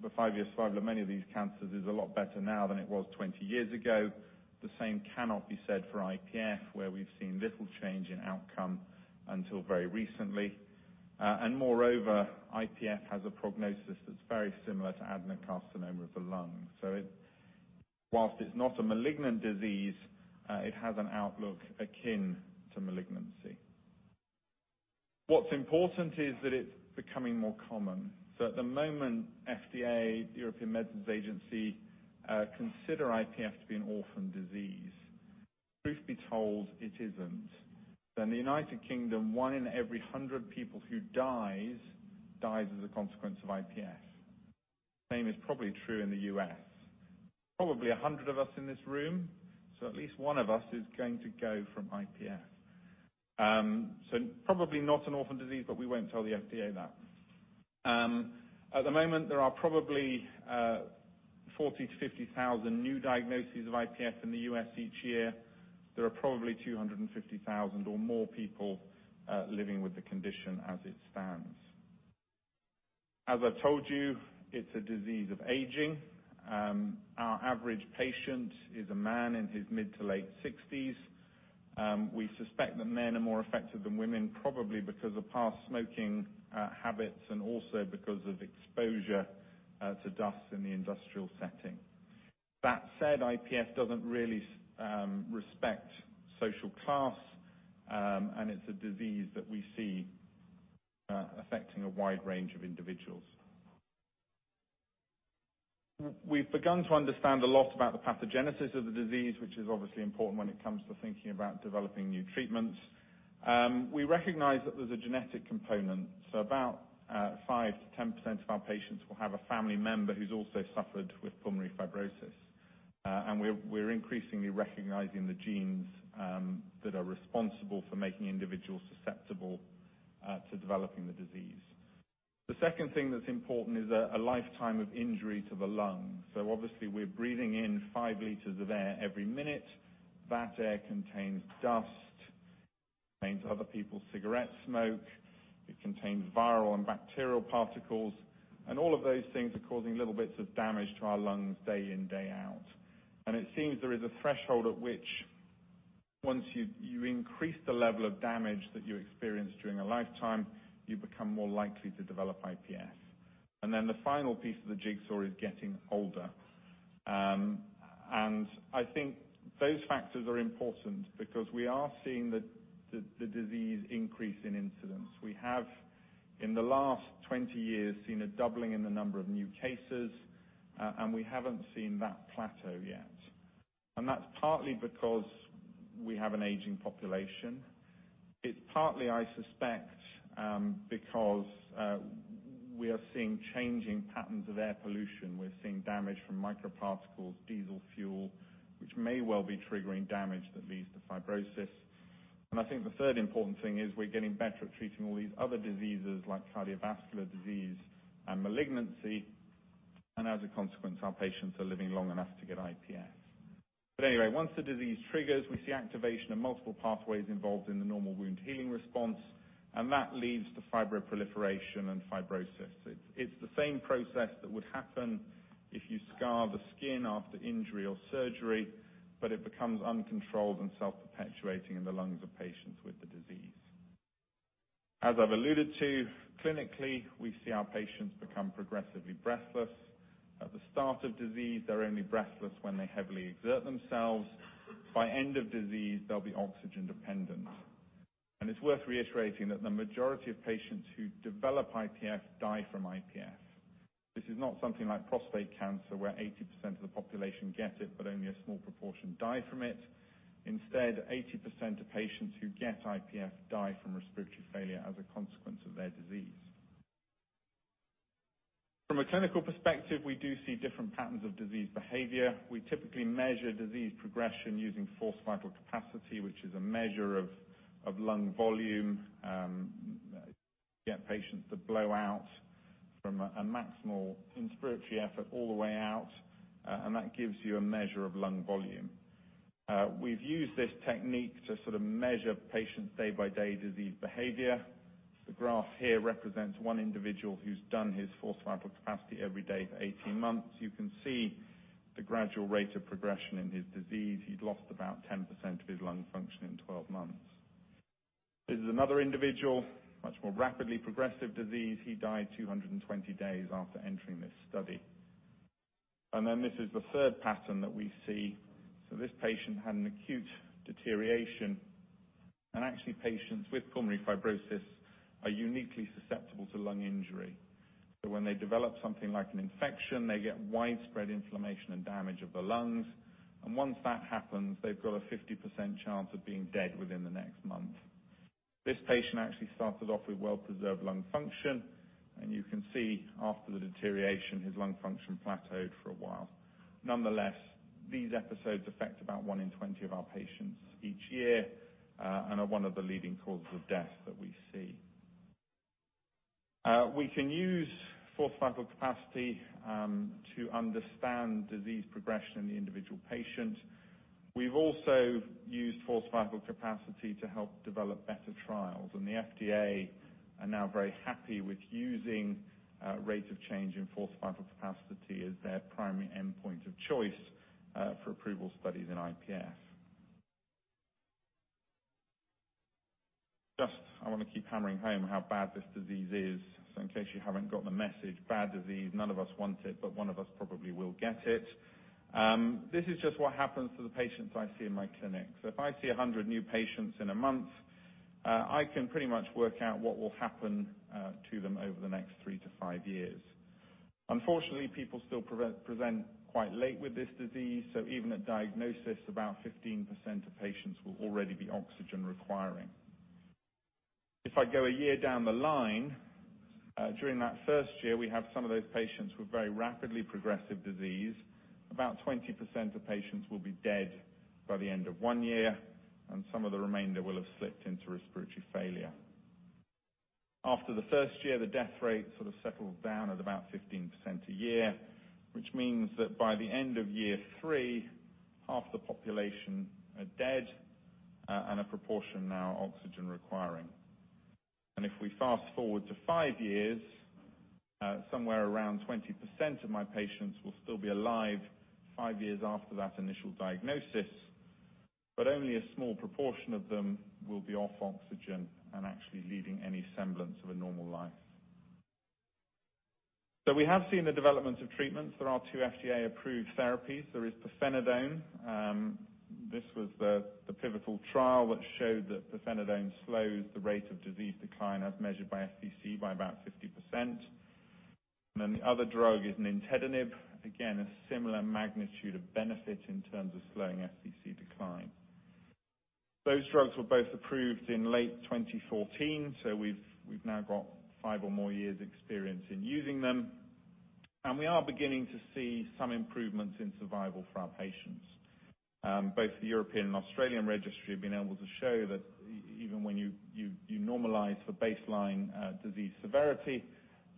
the five-year survival of many of these cancers is a lot better now than it was 20 years ago. The same cannot be said for IPF, where we've seen little change in outcome until very recently. Moreover, IPF has a prognosis that's very similar to adenocarcinoma of the lung. Whilst it's not a malignant disease, it has an outlook akin to malignancy. What's important is that it's becoming more common. At the moment, FDA, the European Medicines Agency, consider IPF to be an orphan disease. Truth be told, it isn't. In the United Kingdom, one in every 100 people who dies as a consequence of IPF. Same is probably true in the U.S. Probably 100 of us in this room, so at least one of us is going to go from IPF. Probably not an orphan disease, but we won't tell the FDA that. At the moment, there are probably 40,000-50,000 new diagnoses of IPF in the U.S. each year. There are probably 250,000 or more people living with the condition as it stands. As I've told you, it's a disease of aging. Our average patient is a man in his mid to late 60s. We suspect that men are more affected than women, probably because of past smoking habits and also because of exposure to dust in the industrial setting. That said, IPF doesn't really respect social class, and it's a disease that we see affecting a wide range of individuals. We've begun to understand a lot about the pathogenesis of the disease, which is obviously important when it comes to thinking about developing new treatments. We recognize that there's a genetic component. About 5%-10% of our patients will have a family member who's also suffered with pulmonary fibrosis. We're increasingly recognizing the genes that are responsible for making individuals susceptible to developing the disease. The second thing that's important is a lifetime of injury to the lung. Obviously we're breathing in five liters of air every minute. That air contains dust, contains other people's cigarette smoke. It contains viral and bacterial particles. And all of those things are causing little bits of damage to our lungs day in, day out. It seems there is a threshold at which, once you increase the level of damage that you experience during a lifetime, you become more likely to develop IPF. The final piece of the jigsaw is getting older. I think those factors are important because we are seeing the disease increase in incidence. We have, in the last 20 years, seen a doubling in the number of new cases, and we haven't seen that plateau yet. And that's partly because we have an aging population. It's partly, I suspect, because we are seeing changing patterns of air pollution. We're seeing damage from microparticles, diesel fuel, which may well be triggering damage that leads to fibrosis. I think the third important thing is we're getting better at treating all these other diseases like cardiovascular disease and malignancy, and as a consequence, our patients are living long enough to get IPF. Anyway, once the disease triggers, we see activation of multiple pathways involved in the normal wound healing response, and that leads to fibroproliferation and fibrosis. It's the same process that would happen if you scar the skin after injury or surgery, but it becomes uncontrolled and self-perpetuating in the lungs of patients with the disease. As I've alluded to, clinically, we see our patients become progressively breathless. At the start of disease, they're only breathless when they heavily exert themselves. By end of disease, they'll be oxygen-dependent. It's worth reiterating that the majority of patients who develop IPF die from IPF. This is not something like prostate cancer, where 80% of the population get it, but only a small proportion die from it. Instead, 80% of patients who get IPF die from respiratory failure as a consequence of their disease. From a clinical perspective, we do see different patterns of disease behavior. We typically measure disease progression using forced vital capacity, which is a measure of lung volume. We get patients to blow out from a maximal inspiratory effort all the way out, and that gives you a measure of lung volume. We've used this technique to sort of measure patients' day-by-day disease behavior. The graph here represents one individual who's done his forced vital capacity every day for 18 months. You can see the gradual rate of progression in his disease. He'd lost about 10% of his lung function in 12 months. This is another individual, much more rapidly progressive disease. He died 220 days after entering this study. This is the third pattern that we see. This patient had an acute deterioration, and actually, patients with pulmonary fibrosis are uniquely susceptible to lung injury. When they develop something like an infection, they get widespread inflammation and damage of the lungs, and once that happens, they've got a 50% chance of being dead within the next month. This patient actually started off with well-preserved lung function, and you can see after the deterioration, his lung function plateaued for a while. Nonetheless, these episodes affect about one in 20 of our patients each year, and are one of the leading causes of death that we see. We can use forced vital capacity to understand disease progression in the individual patient. We've also used forced vital capacity to help develop better trials. The FDA are now very happy with using rate of change in forced vital capacity as their primary endpoint of choice for approval studies in IPF. I want to keep hammering home how bad this disease is. In case you haven't got the message, bad disease, none of us want it, but one of us probably will get it. This is just what happens to the patients I see in my clinic. If I see 100 new patients in a month, I can pretty much work out what will happen to them over the next three to five years. Unfortunately, people still present quite late with this disease, so even at diagnosis, about 15% of patients will already be oxygen requiring. If I go a year down the line, during that first year, we have some of those patients with very rapidly progressive disease. About 20% of patients will be dead by the end of one year, and some of the remainder will have slipped into respiratory failure. After the first year, the death rate sort of settles down at about 15% a year, which means that by the end of year three, half the population are dead, and a proportion now are oxygen requiring. If we fast-forward to five years, somewhere around 20% of my patients will still be alive five years after that initial diagnosis, but only a small proportion of them will be off oxygen and actually leading any semblance of a normal life. We have seen the development of treatments. There are two FDA-approved therapies. There is pirfenidone. This was the pivotal trial which showed that pirfenidone slows the rate of disease decline as measured by FVC, by about 50%. The other drug is nintedanib. Again, a similar magnitude of benefit in terms of slowing FVC decline. Those drugs were both approved in late 2014, so we've now got five or more years' experience in using them. We are beginning to see some improvements in survival for our patients. Both the European and Australian registry have been able to show that even when you normalize for baseline disease severity,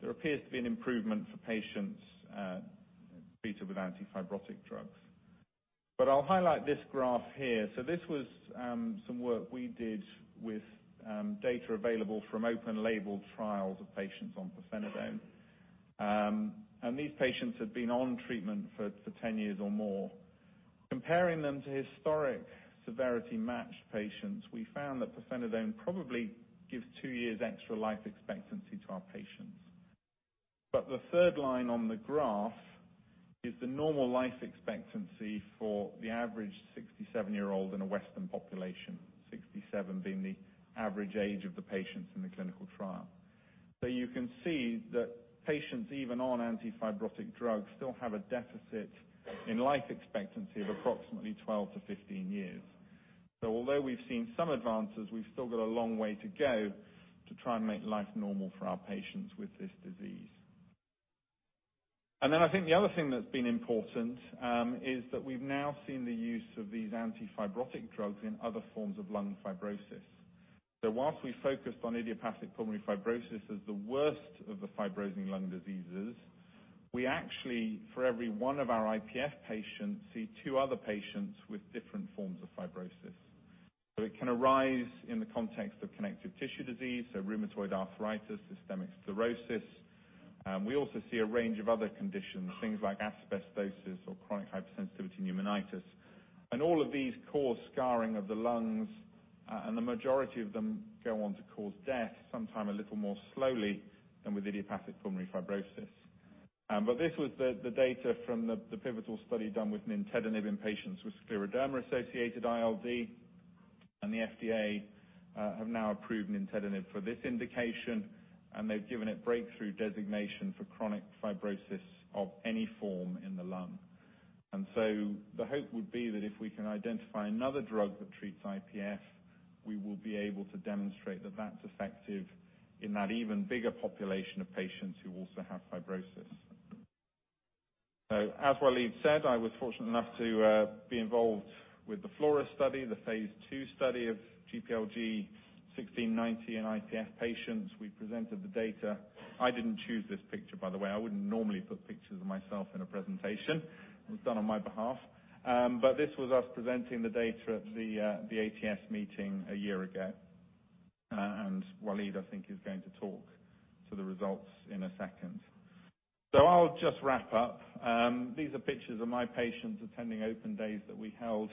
there appears to be an improvement for patients treated with antifibrotic drugs. I'll highlight this graph here. This was some work we did with data available from open label trials of patients on pirfenidone. These patients had been on treatment for 10 years or more. Comparing them to historic severity matched patients, we found that pirfenidone probably gives two years extra life expectancy to our patients. The third line on the graph is the normal life expectancy for the average 67-year-old in a Western population, 67 being the average age of the patients in the clinical trial. So, you can see that patients, even on anti-fibrotic drugs, still have a deficit in life expectancy of approximately 12-15 years. Although we've seen some advances, we've still got a long way to go to try and make life normal for our patients with this disease. I think the other thing that's been important, is that we've now seen the use of these anti-fibrotic drugs in other forms of lung fibrosis. Whilst we focused on idiopathic pulmonary fibrosis as the worst of the fibrosing lung diseases, we actually, for every one of our IPF patients, see two other patients with different forms of fibrosis. It can arise in the context of connective tissue disease, so rheumatoid arthritis, systemic sclerosis. We also see a range of other conditions, things like asbestosis or chronic hypersensitivity pneumonitis. All of these cause scarring of the lungs, and the majority of them go on to cause death, sometime a little more slowly than with idiopathic pulmonary fibrosis. This was the data from the pivotal study done with nintedanib in patients with Scleroderma-associated ILD, and the FDA have now approved nintedanib for this indication, and they've given it breakthrough designation for chronic fibrosis of any form in the lung. And so, the hope would be that if we can identify another drug that treats IPF, we will be able to demonstrate that that's effective in that even bigger population of patients who also have fibrosis. As Walid said, I was fortunate enough to be involved with the FLORA study, the phase II study of GLPG1690 in IPF patients. We presented the data. I didn't choose this picture, by the way. I wouldn't normally put pictures of myself in a presentation. It was done on my behalf. This was us presenting the data at the ATS meeting a year ago. Walid, I think, is going to talk to the results in a second. I'll just wrap up. These are pictures of my patients attending open days that we held.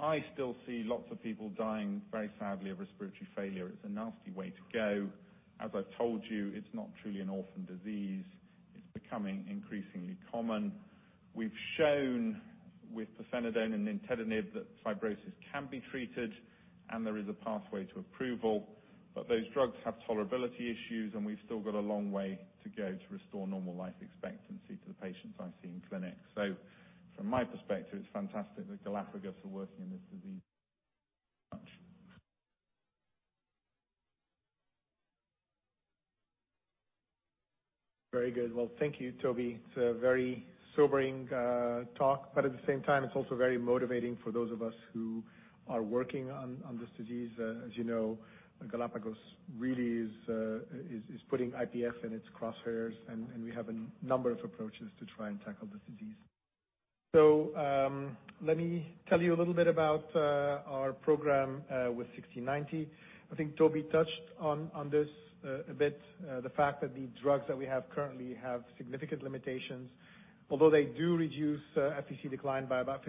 I still see lots of people dying very sadly of respiratory failure. It's a nasty way to go. As I've told you, it's not truly an orphan disease. It's becoming increasingly common. We've shown with pirfenidone and nintedanib that fibrosis can be treated, and there is a pathway to approval. Those drugs have tolerability issues, and we've still got a long way to go to restore normal life expectancy to the patients I see in clinic. So, from my perspective, it's fantastic that Galapagos are working on this disease much. Very good. Well, thank you, Toby. It's a very sobering talk. At the same time, it's also very motivating for those of us who are working on this disease. As you know, Galapagos really is putting IPF in its crosshairs, we have a number of approaches to try and tackle this disease. Let me tell you a little bit about our program with 1690. I think Toby touched on this a bit, the fact that the drugs that we have currently have significant limitations. Although they do reduce FVC decline by about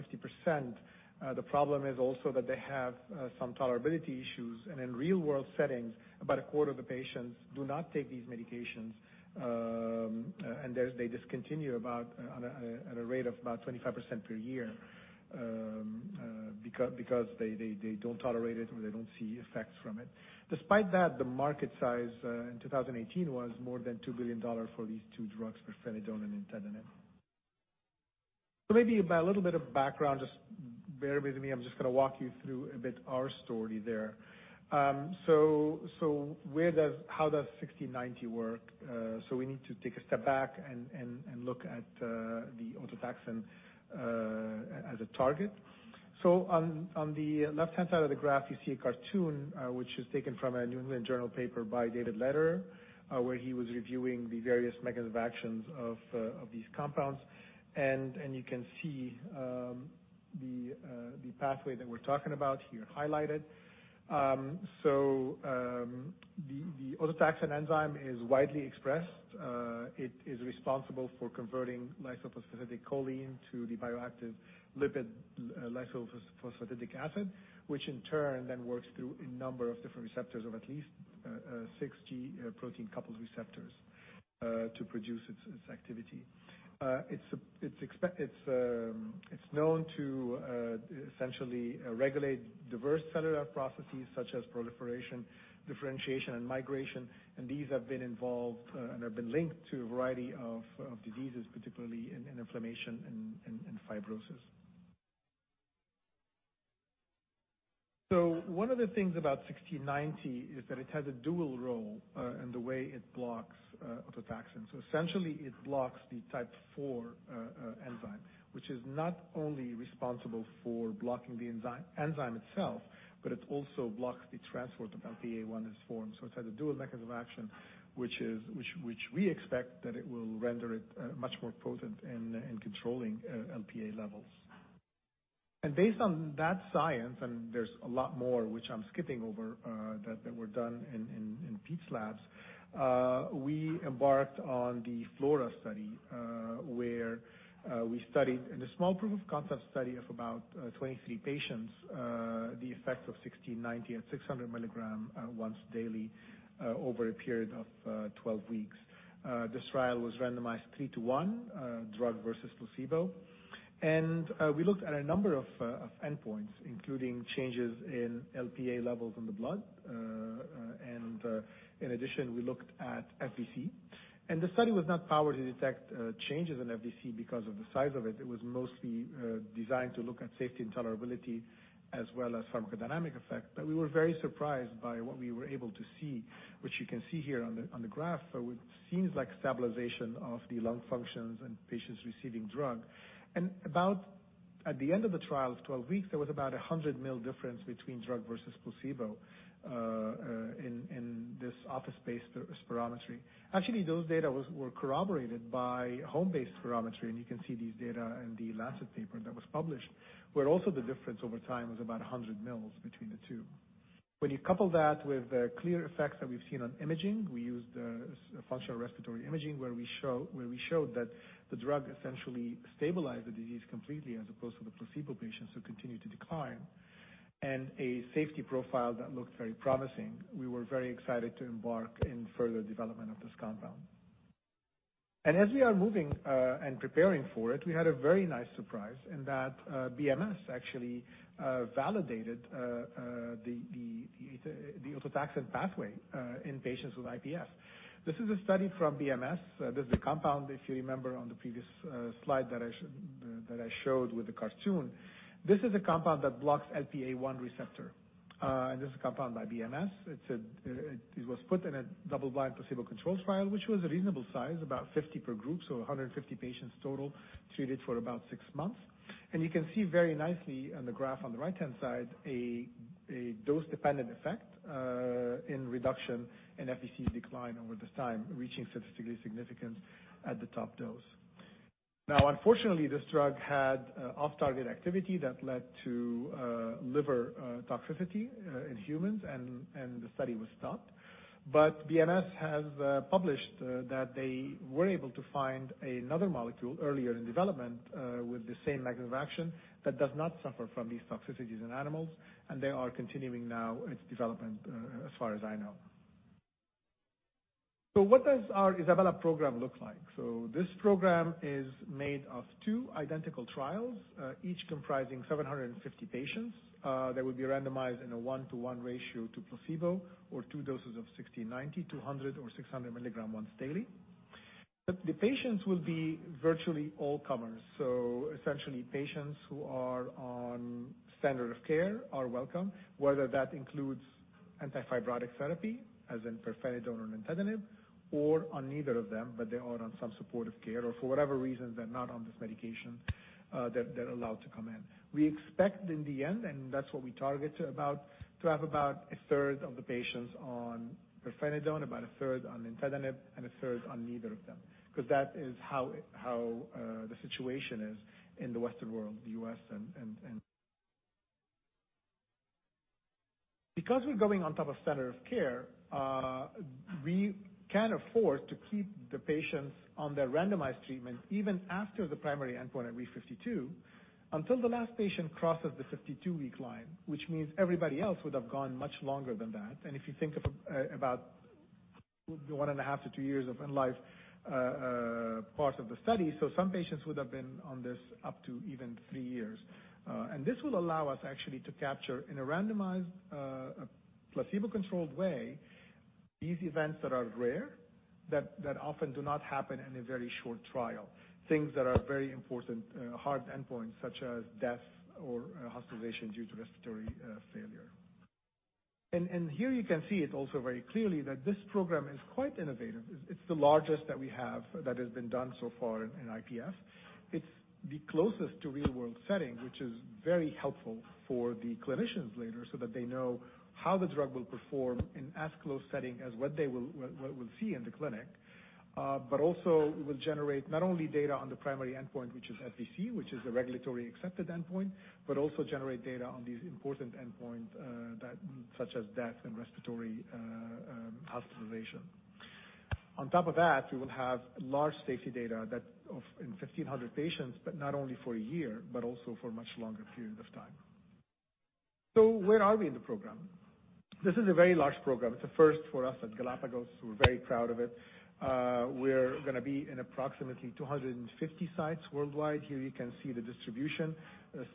50%, the problem is also that they have some tolerability issues. In real-world settings, about a quarter of the patients do not take these medications. They discontinue about at a rate of about 25% per year, because they don't tolerate it, or they don't see effects from it. Despite that, the market size in 2018 was more than $2 billion for these two drugs, pirfenidone and nintedanib. Maybe about a little bit of background. Just bear with me. I'm just going to walk you through a bit our story there. How does 1690 work? We need to take a step back and look at the autotaxin as a target. On the left-hand side of the graph, you see a cartoon, which is taken from a "New England Journal" paper by David Lederer, where he was reviewing the various mechanism actions of these compounds. You can see the pathway that we're talking about here highlighted. The autotaxin enzyme is widely expressed. It is responsible for converting lysophosphatidylcholine to the bioactive lipid lysophosphatidic acid, which in turn then works through a number of different receptors of at least six G protein-coupled receptors, to produce its activity. It's known to essentially regulate diverse cellular processes such as proliferation, differentiation, and migration, and these have been involved and have been linked to a variety of diseases, particularly in inflammation and fibrosis. One of the things about 1690 is that it has a dual role in the way it blocks autotaxin. So, essentially it blocks the type IV enzyme, which is not only responsible for blocking the enzyme itself, but it also blocks the transport of LPA1 as foreign. So, it has a dual mechanism action, which we expect that it will render it much more potent in controlling LPA levels. Based on that science, and there's a lot more which I'm skipping over that were done in Piet's labs, we embarked on the FLORA study where we studied, in a small proof of concept study of about 23 patients, the effects of 1690 at 600 mg once daily over a period of 12 weeks. This trial was randomized 3:1, drug versus placebo. We looked at a number of endpoints, including changes in LPA levels in the blood. In addition, we looked at FVC. The study was not powered to detect changes in FVC because of the size of it. It was mostly designed to look at safety and tolerability as well as pharmacodynamic effect. We were very surprised by what we were able to see, which you can see here on the graph, what seems like stabilization of the lung functions in patients receiving drug. About at the end of the trial of 12 weeks, there was about 100 mil difference between drug versus placebo in this [office-based] spirometry. Actually, those data were corroborated by home-based spirometry, and you can see these data in The Lancet paper that was published, where also the difference over time was about 100 mils between the two. When you couple that with the clear effects that we've seen on imaging, we used functional respiratory imaging where we showed that the drug essentially stabilized the disease completely as opposed to the placebo patients who continued to decline, and a safety profile that looked very promising. We were very excited to embark in further development of this compound. As we are moving and preparing for it, we had a very nice surprise in that BMS actually validated the autotaxin pathway in patients with IPF. This is a study from BMS. This is a compound, if you remember on the previous slide that I showed with the cartoon. This is a compound that blocks LPA1 receptor. This is a compound by BMS. It was put in a double-blind placebo-controlled trial, which was a reasonable size, about 50 per group, so 150 patients total, treated for about six months. You can see very nicely on the graph on the right-hand side a dose-dependent effect in reduction in FVC decline over this time, reaching statistical significance at the top dose. Now, unfortunately, this drug had off-target activity that led to liver toxicity in humans and the study was stopped. But BMS has published that they were able to find another molecule earlier in development with the same mechanism of action that does not suffer from these toxicities in animals, and they are continuing now its development as far as I know. What does our ISABELA program look like? So, this program is made of two identical trials, each comprising 750 patients. They will be randomized in a one-to-one ratio to placebo or two doses of 1690, 200 or 600 mg once daily. The patients will be virtually all comers. Essentially patients who are on standard of care are welcome, whether that includes anti-fibrotic therapy as in pirfenidone or nintedanib, or on neither of them, but they are on some supportive care or for whatever reason they're not on this medication, they're allowed to come in. We expect in the end, and that's what we target to have about a third of the patients on pirfenidone, about a third on nintedanib, and a third on neither of them, because that is how the situation is in the Western world, the U.S. and-- We're going on top of standard of care, we can afford to keep the patients on their randomized treatment even after the primary endpoint at week 52, until the last patient crosses the 52-week line, which means everybody else would have gone much longer than that. If you think about one and a half to two years of life part of the study, so some patients would have been on this up to even three years. This will allow us actually to capture, in a randomized, placebo-controlled way, these events that are rare, that often do not happen in a very short trial. Things that are very important hard endpoints, such as death or hospitalization due to respiratory failure. Here you can see it also very clearly that this program is quite innovative. It's the largest that we have that has been done so far in IPF. It's the closest to real-world setting, which is very helpful for the clinicians later so that they know how the drug will perform in as close setting as what they will see in the clinic. Also will generate not only data on the primary endpoint, which is FVC, which is the regulatory accepted endpoint, but also generate data on these important endpoint such as death and respiratory hospitalization. On top of that, we will have large safety data in 1,500 patients, not only for a year, but also for much longer periods of time. Where are we in the program? This is a very large program. It's a first for us at Galapagos. We're very proud of it. We're going to be in approximately 250 sites worldwide. Here you can see the distribution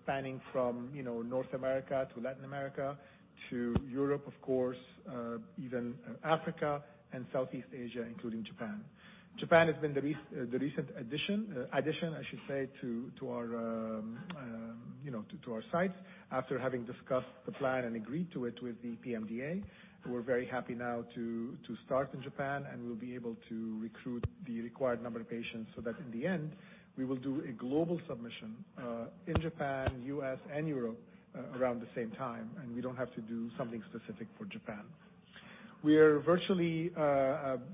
spanning from North America to Latin America to Europe, of course, even Africa and Southeast Asia, including Japan. Japan has been the recent addition, I should say, to-- to our, you know, to our sites after having discussed the plan and agreed to it with the PMDA. We're very happy now to start in Japan. We'll be able to recruit the required number of patients so that in the end, we will do a global submission in Japan, U.S., and Europe around the same time. We don't have to do something specific for Japan. We are virtually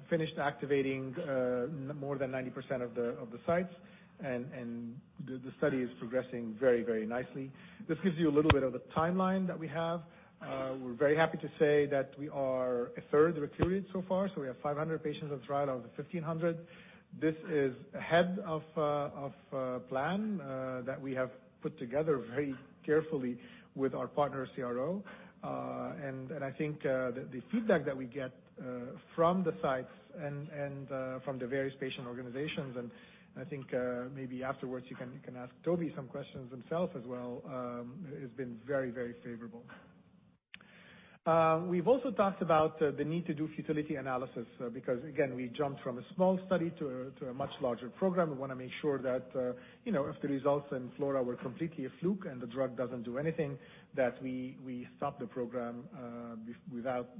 finished activating more than 90% of the sites and the study is progressing very nicely. This gives you a little bit of a timeline that we have. We're very happy to say that we are a third recruited so far, so we have 500 patients on the trial out of the 1,500. This is ahead of plan that we have put together very carefully with our partner CRO. And I think the feedback that we get from the sites and from the various patient organizations, and I think maybe afterwards you can ask Toby some questions himself as well, has been very favorable. We've also talked about the need to do futility analysis because, again, we jumped from a small study to a much larger program. We want to make sure that if the results in FLORA were completely a fluke and the drug doesn't do anything, that we stop the program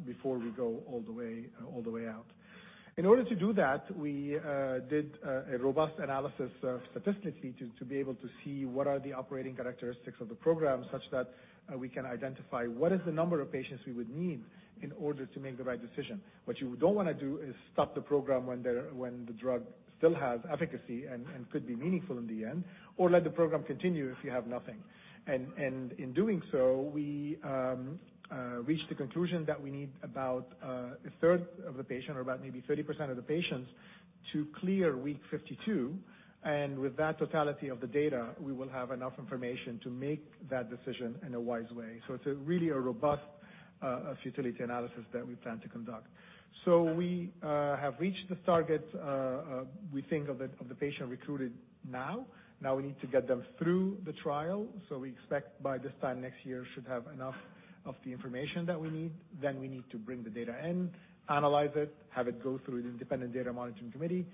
before we go all the way out. In order to do that, we did a robust analysis statistically to be able to see what are the operating characteristics of the program, such that we can identify what is the number of patients we would need in order to make the right decision. What you don't want to do is stop the program when the drug still has efficacy and could be meaningful in the end, or let the program continue if you have nothing. In doing so, we reached the conclusion that we need about a third of the patient or about maybe 30% of the patients to clear week 52. With that totality of the data, we will have enough information to make that decision in a wise way. It's really a robust futility analysis that we plan to conduct. We have reached the target, we think, of the patient recruited now. Now we need to get them through the trial. We expect by this time next year should have enough of the information that we need. We need to bring the data in, analyze it, have it go through the independent data monitoring committee.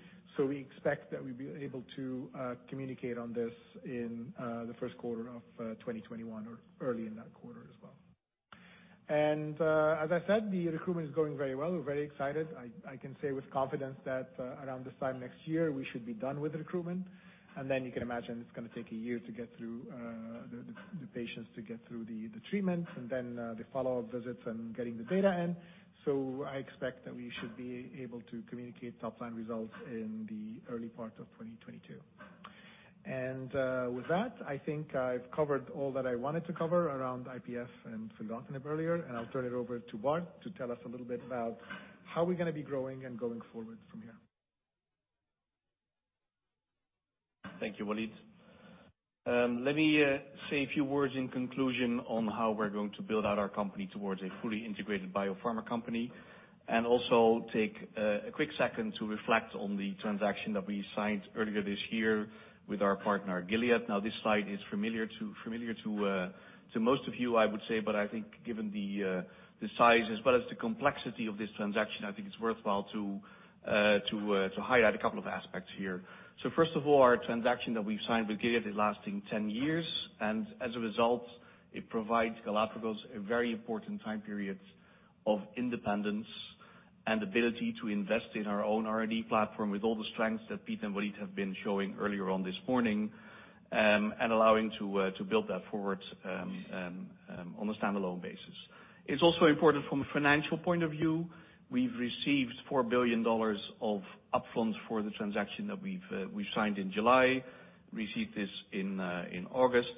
We expect that we'll be able to communicate on this in the first quarter of 2021 or early in that quarter as well. As I said, the recruitment is going very well. We're very excited. I can say with confidence that around this time next year, we should be done with recruitment. Then you can imagine it's going to take a year to get through the patients, to get through the treatments, and then the follow-up visits and getting the data in. I expect that we should be able to communicate top-line results in the early part of 2022. With that, I think I've covered all that I wanted to cover around IPF and filgotinib earlier. I'll turn it over to Bart to tell us a little bit about how we're going to be growing and going forward from here. Thank you, Walid. Let me say a few words in conclusion on how we're going to build out our company towards a fully integrated biopharma company, and also take a quick second to reflect on the transaction that we signed earlier this year with our partner, Gilead. This slide is familiar to most of you, I would say. I think given the size as well as the complexity of this transaction, I think it's worthwhile to highlight a couple of aspects here. First of all, our transaction that we've signed with Gilead is lasting 10 years. As a result, it provides Galapagos a very important time period of independence and ability to invest in our own R&D platform with all the strengths that Piet and Walid have been showing earlier on this morning, and allowing to build that forward on a standalone basis. It's also important from a financial point of view. We've received $4 billion of upfront for the transaction that we've signed in July, received this in August.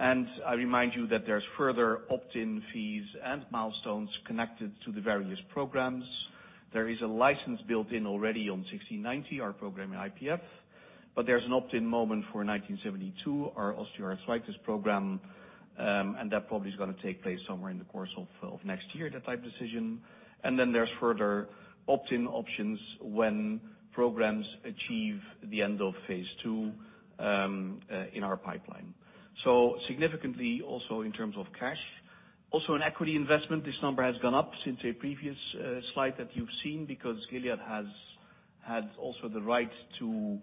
I remind you that there's further opt-in fees and milestones connected to the various programs. There is a license built in already on 1690, our program in IPF, but there's an opt-in moment for 1972, our osteoarthritis program, and that probably is going to take place somewhere in the course of next year, that type decision. There's further opt-in options when programs achieve the end of phase II in our pipeline. Significantly, also in terms of cash. Also in equity investment, this number has gone up since a previous slide that you've seen because Gilead has had also the right to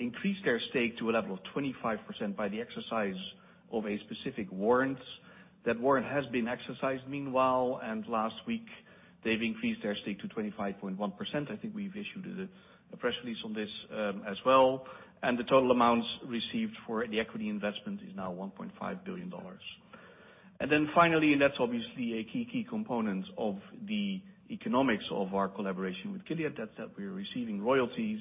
increase their stake to a level of 25% by the exercise of a specific warrant. That warrant has been exercised meanwhile. Last week they've increased their stake to 25.1%. I think we've issued a press release on this as well. The total amounts received for the equity investment is now $1.5 billion. Finally, that's obviously a key component of the economics of our collaboration with Gilead, that we are receiving royalties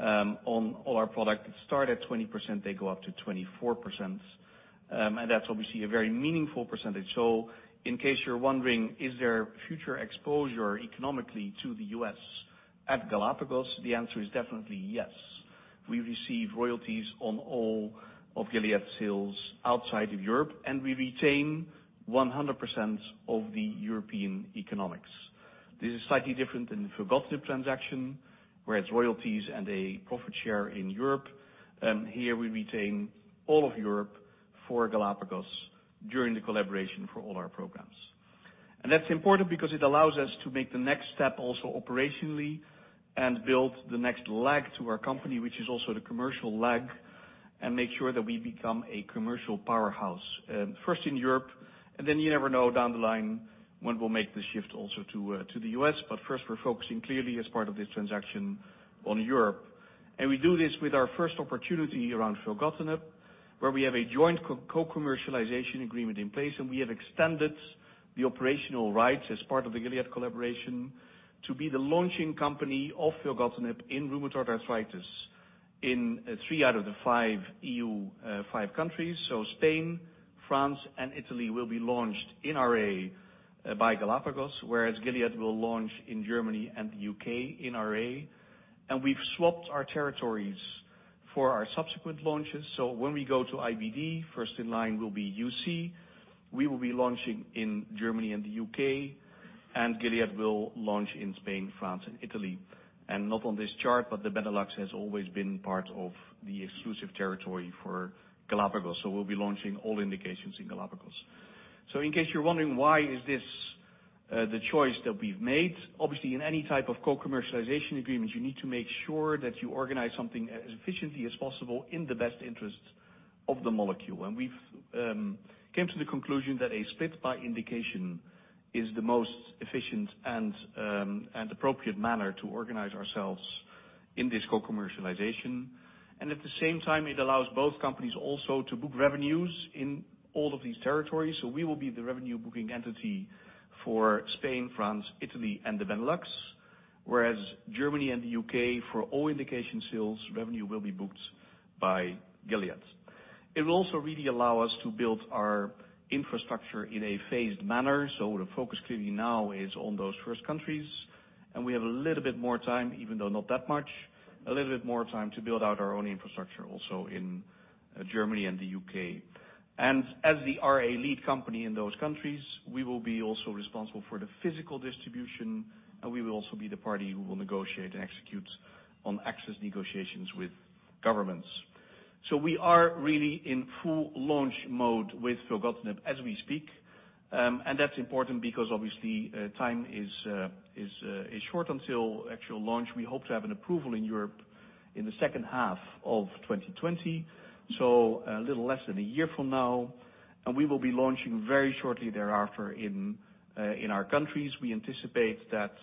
on all our product that start at 20%, they go up to 24%. That's obviously a very meaningful percentage. In case you're wondering, is there future exposure economically to the U.S. at Galapagos? The answer is definitely yes. We receive royalties on all of Gilead's sales outside of Europe, and we retain 100% of the European economics. This is slightly different than the filgotinib transaction, where it's royalties and a profit share in Europe. We retain all of Europe for Galapagos during the collaboration for all our programs. That's important because it allows us to make the next step also operationally and build the next leg to our company, which is also the commercial leg, and make sure that we become a commercial powerhouse. First in Europe. Then you never know down the line when we'll make the shift also to the U.S. First we're focusing clearly as part of this transaction on Europe. We do this with our first opportunity around filgotinib, where we have a joint co-commercialization agreement in place, and we have extended the operational rights as part of the Gilead collaboration to be the launching company of filgotinib in rheumatoid arthritis in three out of the five EU-- five countries. Spain, France, and Italy will be launched in RA by Galapagos, whereas Gilead will launch in Germany and the U.K. in RA. We've swapped our territories for our subsequent launches. When we go to IBD, first in line will be UC. We will be launching in Germany and the U.K., and Gilead will launch in Spain, France, and Italy. Not on this chart, but the Benelux has always been part of the exclusive territory for Galapagos. We'll be launching all indications in Galapagos. In case you're wondering, why is this the choice that we've made? Obviously, in any type of co-commercialization agreements, you need to make sure that you organize something as efficiently as possible in the best interest of the molecule. We've came to the conclusion that a split by indication is the most efficient and appropriate manner to organize ourselves in this co-commercialization. At the same time, it allows both companies also to book revenues in all of these territories. We will be the revenue booking entity for Spain, France, Italy, and the Benelux, whereas Germany and the U.K., for all indication sales, revenue will be booked by Gilead. It will also really allow us to build our infrastructure in a phased manner. The focus clearly now is on those first countries, and we have a little bit more time, even though not that much, a little bit more time to build out our own infrastructure also in Germany and the U.K. As the RA lead company in those countries, we will be also responsible for the physical distribution, and we will also be the party who will negotiate and execute on access negotiations with governments. We are really in full launch mode with filgotinib as we speak. That's important because obviously, time is short until actual launch. We hope to have an approval in Europe in the second half of 2020. A little less than a year from now, and we will be launching very shortly thereafter in our countries. We anticipate that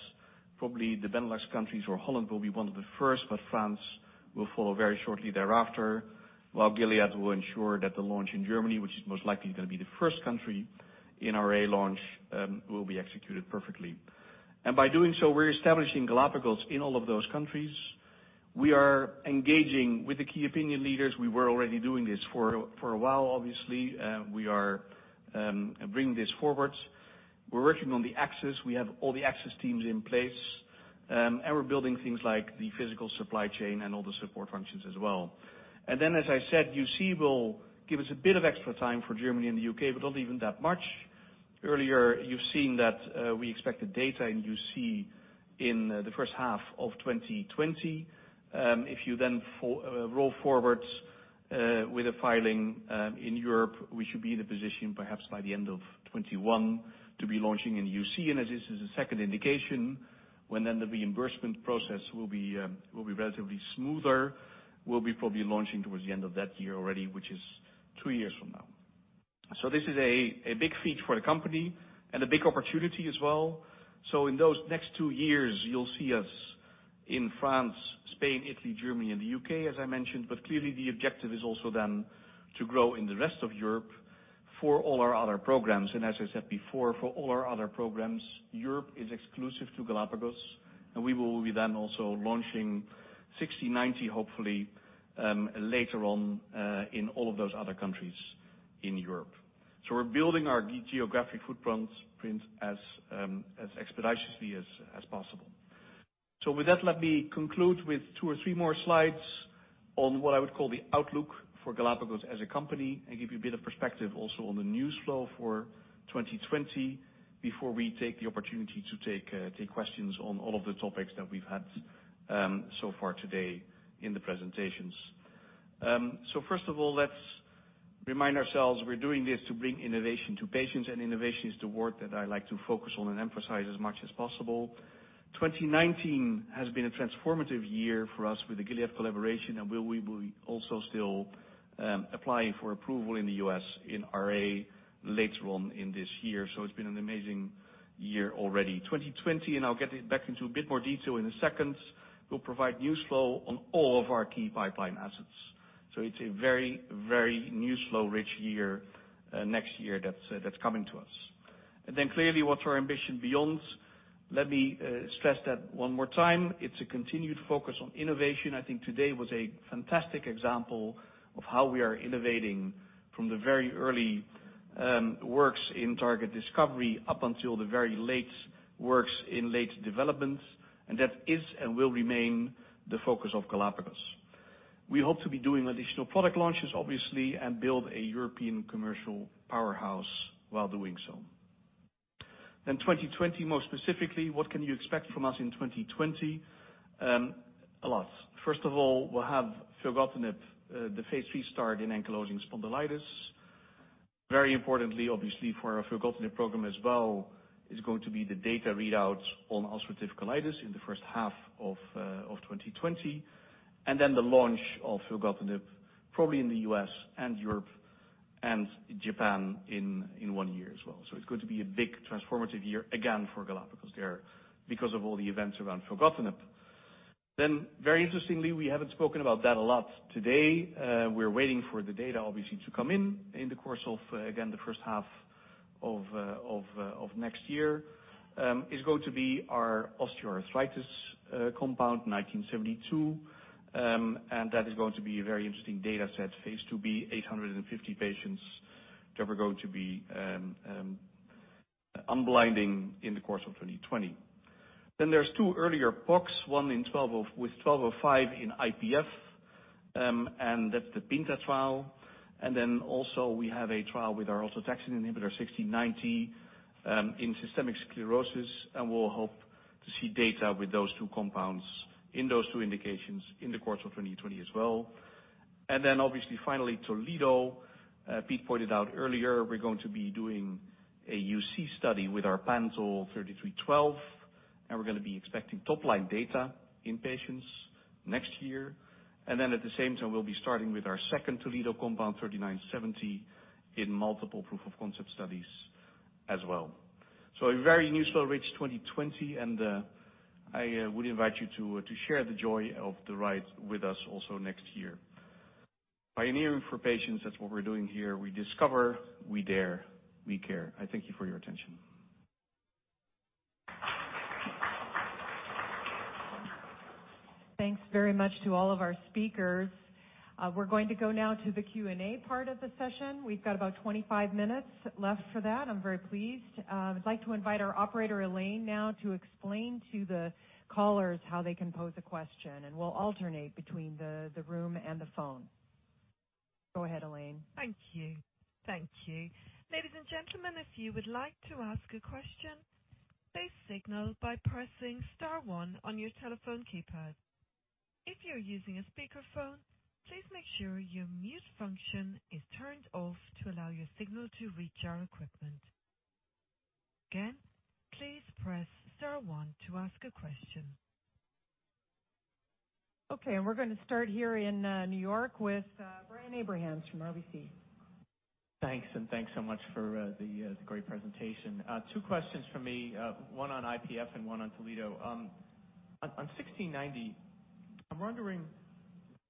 probably the Benelux countries or Holland will be one of the first, but France will follow very shortly thereafter, while Gilead will ensure that the launch in Germany, which is most likely going to be the first country in our launch, will be executed perfectly. By doing so, we're establishing Galapagos in all of those countries. We are engaging with the key opinion leaders. We were already doing this for a while, obviously. We are bringing this forward. We're working on the access. We have all the access teams in place. We're building things like the physical supply chain and all the support functions as well. As I said, UC will give us a bit of extra time for Germany and the U.K., but not even that much. Earlier, you've seen that we expected data in UC in the first half of 2020. If you then roll forwards with a filing, in Europe, we should be in a position perhaps by the end of 2021 to be launching in UC. As this is a second indication, when then the reimbursement process will be relatively smoother, we'll be probably launching towards the end of that year already, which is two years from now. This is a big feat for the company and a big opportunity as well. In those next two years, you'll see us in France, Spain, Italy, Germany, and the U.K., as I mentioned. Clearly, the objective is also then to grow in the rest of Europe for all our other programs. As I said before, for all our other programs, Europe is exclusive to Galapagos, and we will be then also launching 1690, hopefully, later on in all of those other countries in Europe. We're building our geographic footprint as expeditiously as possible. With that, let me conclude with two or three more slides on what I would call the outlook for Galapagos as a company and give you a bit of perspective also on the news flow for 2020 before we take the opportunity to take questions on all of the topics that we've had so far today in the presentations. First of all, let's remind ourselves, we're doing this to bring innovation to patients, and innovation is the word that I like to focus on and emphasize as much as possible. 2019 has been a transformative year for us with the Gilead collaboration, and we will be also still applying for approval in the U.S. in RA later on in this year. It's been an amazing year already. 2020, I'll get it back into a bit more detail in a second, will provide news flow on all of our key pipeline assets. It's a very, very news flow rich year next year that's coming to us. Clearly, what's our ambition beyond? Let me stress that one more time. It's a continued focus on innovation. I think today was a fantastic example of how we are innovating from the very early works in target discovery up until the very late works in late development, and that is and will remain the focus of Galapagos. We hope to be doing additional product launches, obviously, and build a European Commercial Powerhouse while doing so. And 2020, more specifically, what can you expect from us in 2020? A lot. First of all, we'll have filgotinib, the phase III start in ankylosing spondylitis. Very importantly, obviously, for our filgotinib program as well is going to be the data readouts on ulcerative colitis in the first half of 2020, and then the launch of filgotinib probably in the U.S. and Europe and Japan in one year as well. It's going to be a big transformative year again for Galapagos because of all the events around filgotinib. Very interestingly, we haven't spoken about that a lot today. We're waiting for the data obviously to come in the course of, again, the first half of next year. It's going to be our osteoarthritis compound 1972, and that is going to be a very interesting data set phase II-B, 850 patients that we're going to be unblinding in the course of 2020. There's two earlier PoCs, one with G1205 in IPF, and that's the PINTA trial. Also we have a trial with our autotaxin inhibitor 1690 in systemic sclerosis, and we'll hope to see data with those two compounds in those two indications in the course of 2020 as well. Obviously finally Toledo, Piet pointed out earlier, we're going to be doing a UC study with our pantol 3312, and we're going to be expecting top line data in patients next year. At the same time, we'll be starting with our second Toledo compound G3970 in multiple proof-of-concept studies as well. A very newsworthy rich 2020 and I would invite you to share the joy of the ride with us also next year. Pioneering for patients, that's what we're doing here. We discover, we dare, we care. I thank you for your attention. Thanks very much to all of our speakers. We're going to go now to the Q&A part of the session. We've got about 25 minutes left for that. I'm very pleased. I'd like to invite our operator, Elaine, now to explain to the callers how they can pose a question, and we'll alternate between the room and the phone. Go ahead, Elaine. Thank you, thank you.. Ladies and gentlemen, if you would like to ask a question, please signal by pressing star one on your telephone keypad. If you are using a speakerphone, please make sure your mute function is turned off to allow your signal to reach our equipment. Again, please press star one to ask a question. Okay, we're going to start here in New York with Brian Abrahams from RBC. Thanks, thanks so much for the great presentation. Two questions from me, one on IPF and one on Toledo. On 1690, I'm wondering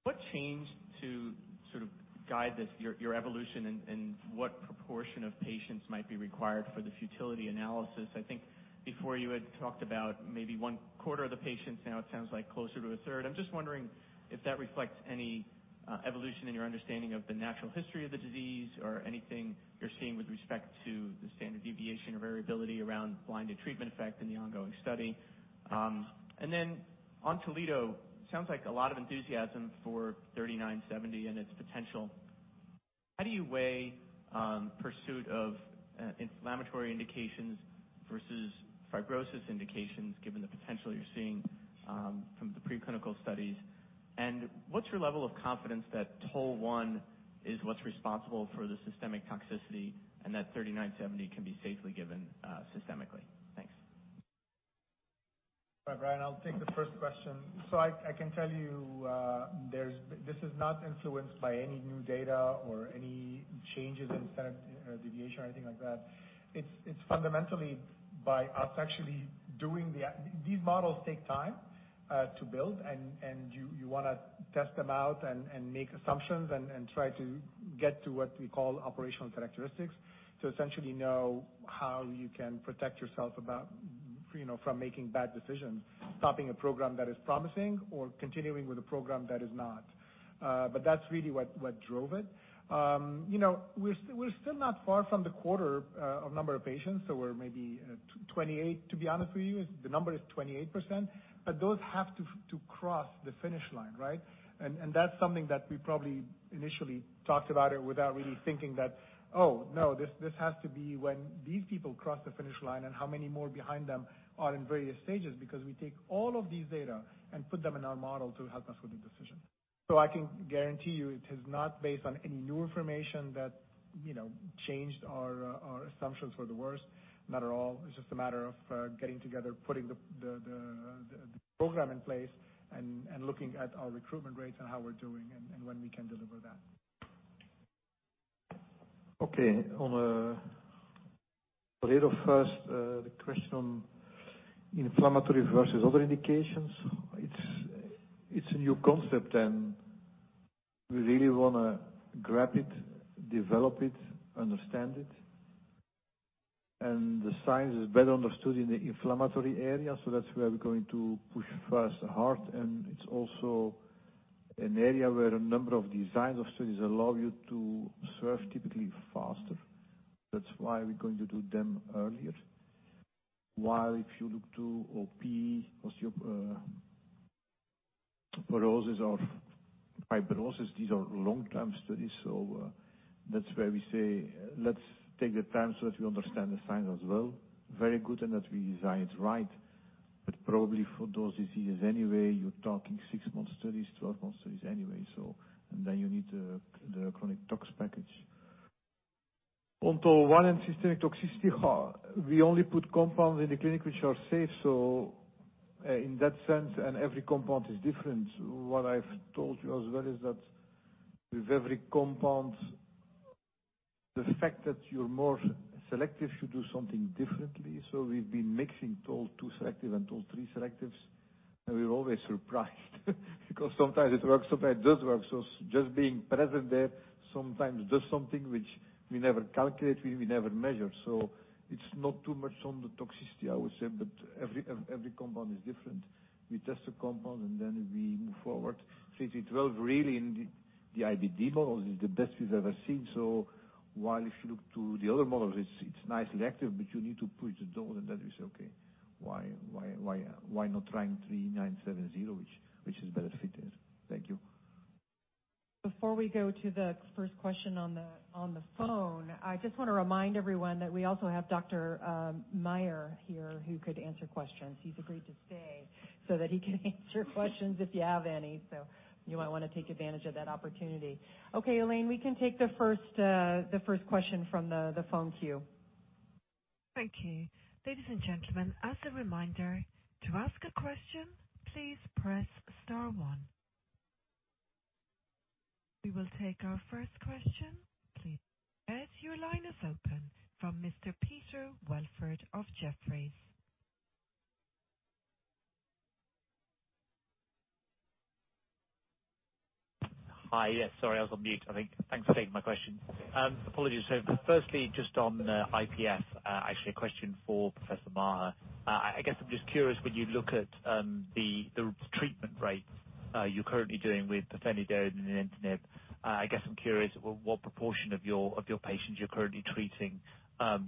what changed to sort of guide this, your evolution and what proportion of patients might be required for the futility analysis? I think before you had talked about maybe one quarter of the patients, now it sounds like closer to a third. I'm just wondering if that reflects any evolution in your understanding of the natural history of the disease or anything you're seeing with respect to the standard deviation or variability around blinded treatment effect in the ongoing study. On Toledo, sounds like a lot of enthusiasm for 3970 and its potential. How do you weigh pursuit of inflammatory indications versus fibrosis indications given the potential you're seeing from the preclinical studies? And what's your level of confidence that TLR1 is what's responsible for the systemic toxicity and that GLPG3970 can be safely given systemically? Thanks. Hi, Brian. I'll take the first question. I can tell you this is not influenced by any new data or any changes in standard deviation or anything like that. It's fundamentally by us actually doing. These models take time to build, and you want to test them out and make assumptions and try to get to what we call operational characteristics to essentially know how you can protect yourself from making bad decisions, stopping a program that is promising or continuing with a program that is not. That's really what drove it. We're still not far from the quarter of number of patients. So, we're maybe 28 to be honest with you. The number is 28%, but those have to cross the finish line, right? That's something that we probably initially talked about it without really thinking that, oh, no, this has to be when these people cross the finish line and how many more behind them are in various stages because we take all of these data and put them in our model to help us with the decision. I can guarantee you it is not based on any new information that changed our assumptions for the worse. Not at all. It's just a matter of getting together, putting the program in place and looking at our recruitment rates and how we're doing and when we can deliver that. Okay. On Toledo first, the question on inflammatory versus other indications. We really want to grab it, develop it, understand it. The science is better understood in the inflammatory area, that's where we're going to push first hard. It's also an area where a number of designs of studies allow you to serve typically faster. That's why we're going to do them earlier. While if you look to OP, osteoporosis or fibrosis, these are long-term studies. That's where we say, let's take the time so that we understand the science as well very good and that we design it right. Probably for those diseases anyway, you're talking six-month studies, 12-month studies anyway. Then you need the chronic tox package. Onto one and systemic toxicity. We only put compounds in the clinic which are safe. In that sense, and every compound is different. What I've told you as well is that with every compound, the fact that you're more selective, you do something differently. We've been mixing TOL-2 selective and TOL-3 selectives, and we're always surprised because sometimes it works, sometimes it doesn't work. Just being present there sometimes does something which we never calculate, we never measure. It's not too much on the toxicity, I would say, but every compound is different. We test the compound, and then we move forward. 3312 really in the IBD models is the best we've ever seen. While if you look to the other models, it's nicely active, but you need to push the dose, and then you say, "Okay, why not try 3970 which is better fit?" Thank you. Before we go to the first question on the phone, I just want to remind everyone that we also have Dr. Maher here who could answer questions. He's agreed to stay so that he can answer questions if you have any. You might want to take advantage of that opportunity. Okay, Elaine, we can take the first question from the phone queue. Thank you. Ladies and gentlemen, as a reminder, to ask a question, please press star one. We will take our first question, please. Your line is open from Mr. Peter Welford of Jefferies. Hi. Yes, sorry, I was on mute, I think. Thanks for taking my question. Apologies. Firstly, just on IPF, actually a question for Professor Maher. I guess I'm just curious, when you look at the treatment rates you're currently doing with pirfenidone and nintedanib, I guess I'm curious what proportion of your patients you're currently treating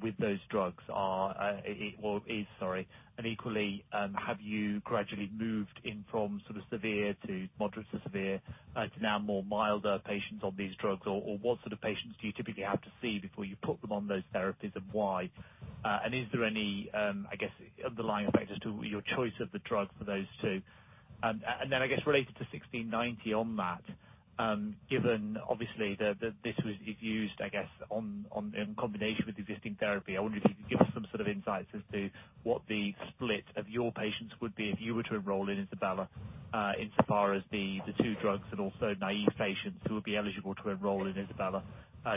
with those drugs are, or is, sorry. Equally, have you gradually moved in from sort of severe to moderate to severe to now more milder patients on these drugs? What sort of patients do you typically have to see before you put them on those therapies, and why? Is there any, I guess, underlying effect as to your choice of the drug for those two? I guess related to 1690 on that, given obviously that this is used, I guess, in combination with existing therapy, I wonder if you could give us some sort of insights as to what the split of your patients would be if you were to enroll in ISABELA, insofar as the two drugs and also naive patients who would be eligible to enroll in ISABELA.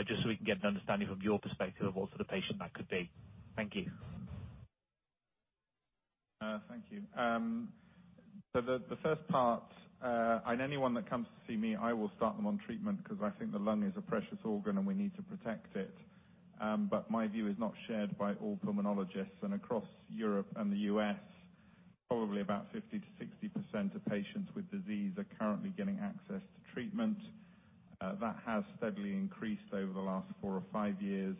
Just so we can get an understanding from your perspective of what sort of patient that could be. Thank you. Thank you. The first part, and anyone that comes to see me, I will start them on treatment because I think the lung is a precious organ, and we need to protect it. My view is not shared by all pulmonologists. Across Europe and the U.S., probably about 50%-60% of patients with disease are currently getting access to treatment. That has steadily increased over the last four or five years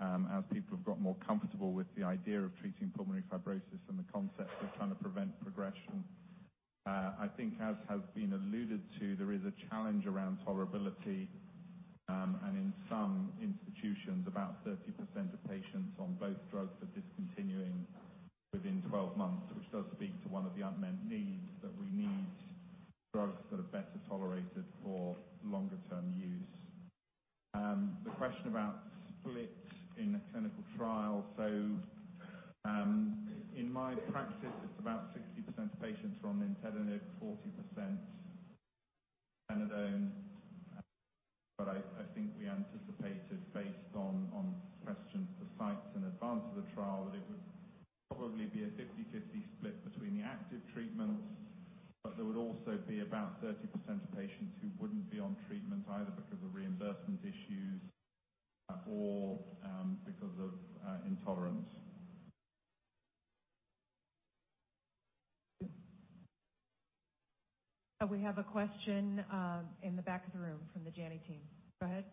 as people have got more comfortable with the idea of treating pulmonary fibrosis and the concept of trying to prevent progression. I think as has been alluded to, there is a challenge around tolerability. In some institutions, about 30% of patients on both drugs are discontinuing within 12 months, which does speak to one of the unmet needs, that we need drugs that are better tolerated for longer-term use. The question about splits in a clinical trial. In my practice, it's about 60% of patients are on nintedanib, 40% pirfenidone. I think we anticipated, based on questions for sites in advance of the trial, that it would probably be a 50/50 split between the active treatments, but there would also be about 30% of patients who wouldn't be on treatment, either because of reimbursement issues or because of intolerance. We have a question in the back of the room from the Janney team. Go ahead.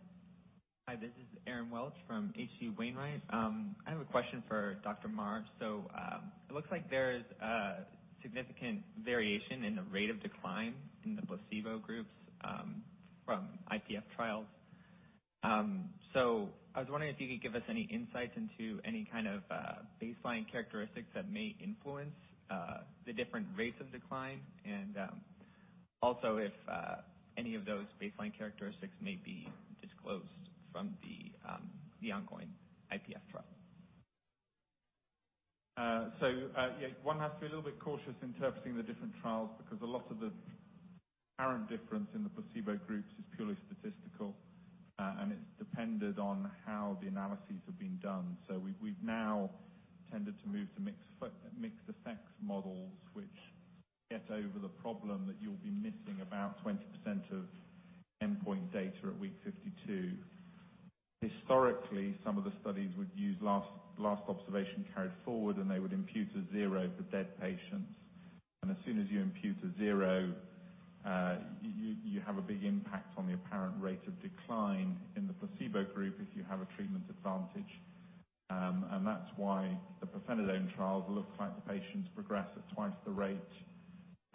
Hi, this is Aaron Welch from H.C. Wainwright. I have a question for Dr. Maher. It looks like there's a significant variation in the rate of decline in the placebo groups from IPF trials. I was wondering if you could give us any insights into any kind of baseline characteristics that may influence the different rates of decline and also if any of those baseline characteristics may be disclosed from the ongoing IPF trial. One has to be a little bit cautious interpreting the different trials because a lot of the apparent difference in the placebo groups is purely statistical. It's dependent on how the analyses have been done. We've now tended to move to mixed effects models, which get over the problem that you'll be missing about 20% of endpoint data at week 52. Historically, some of the studies would use last observation carried forward, and they would impute a zero for dead patients. As soon as you impute a zero, you have a big impact on the apparent rate of decline in the placebo group if you have a treatment advantage. That's why the pirfenidone trials look like the patients progress at twice the rate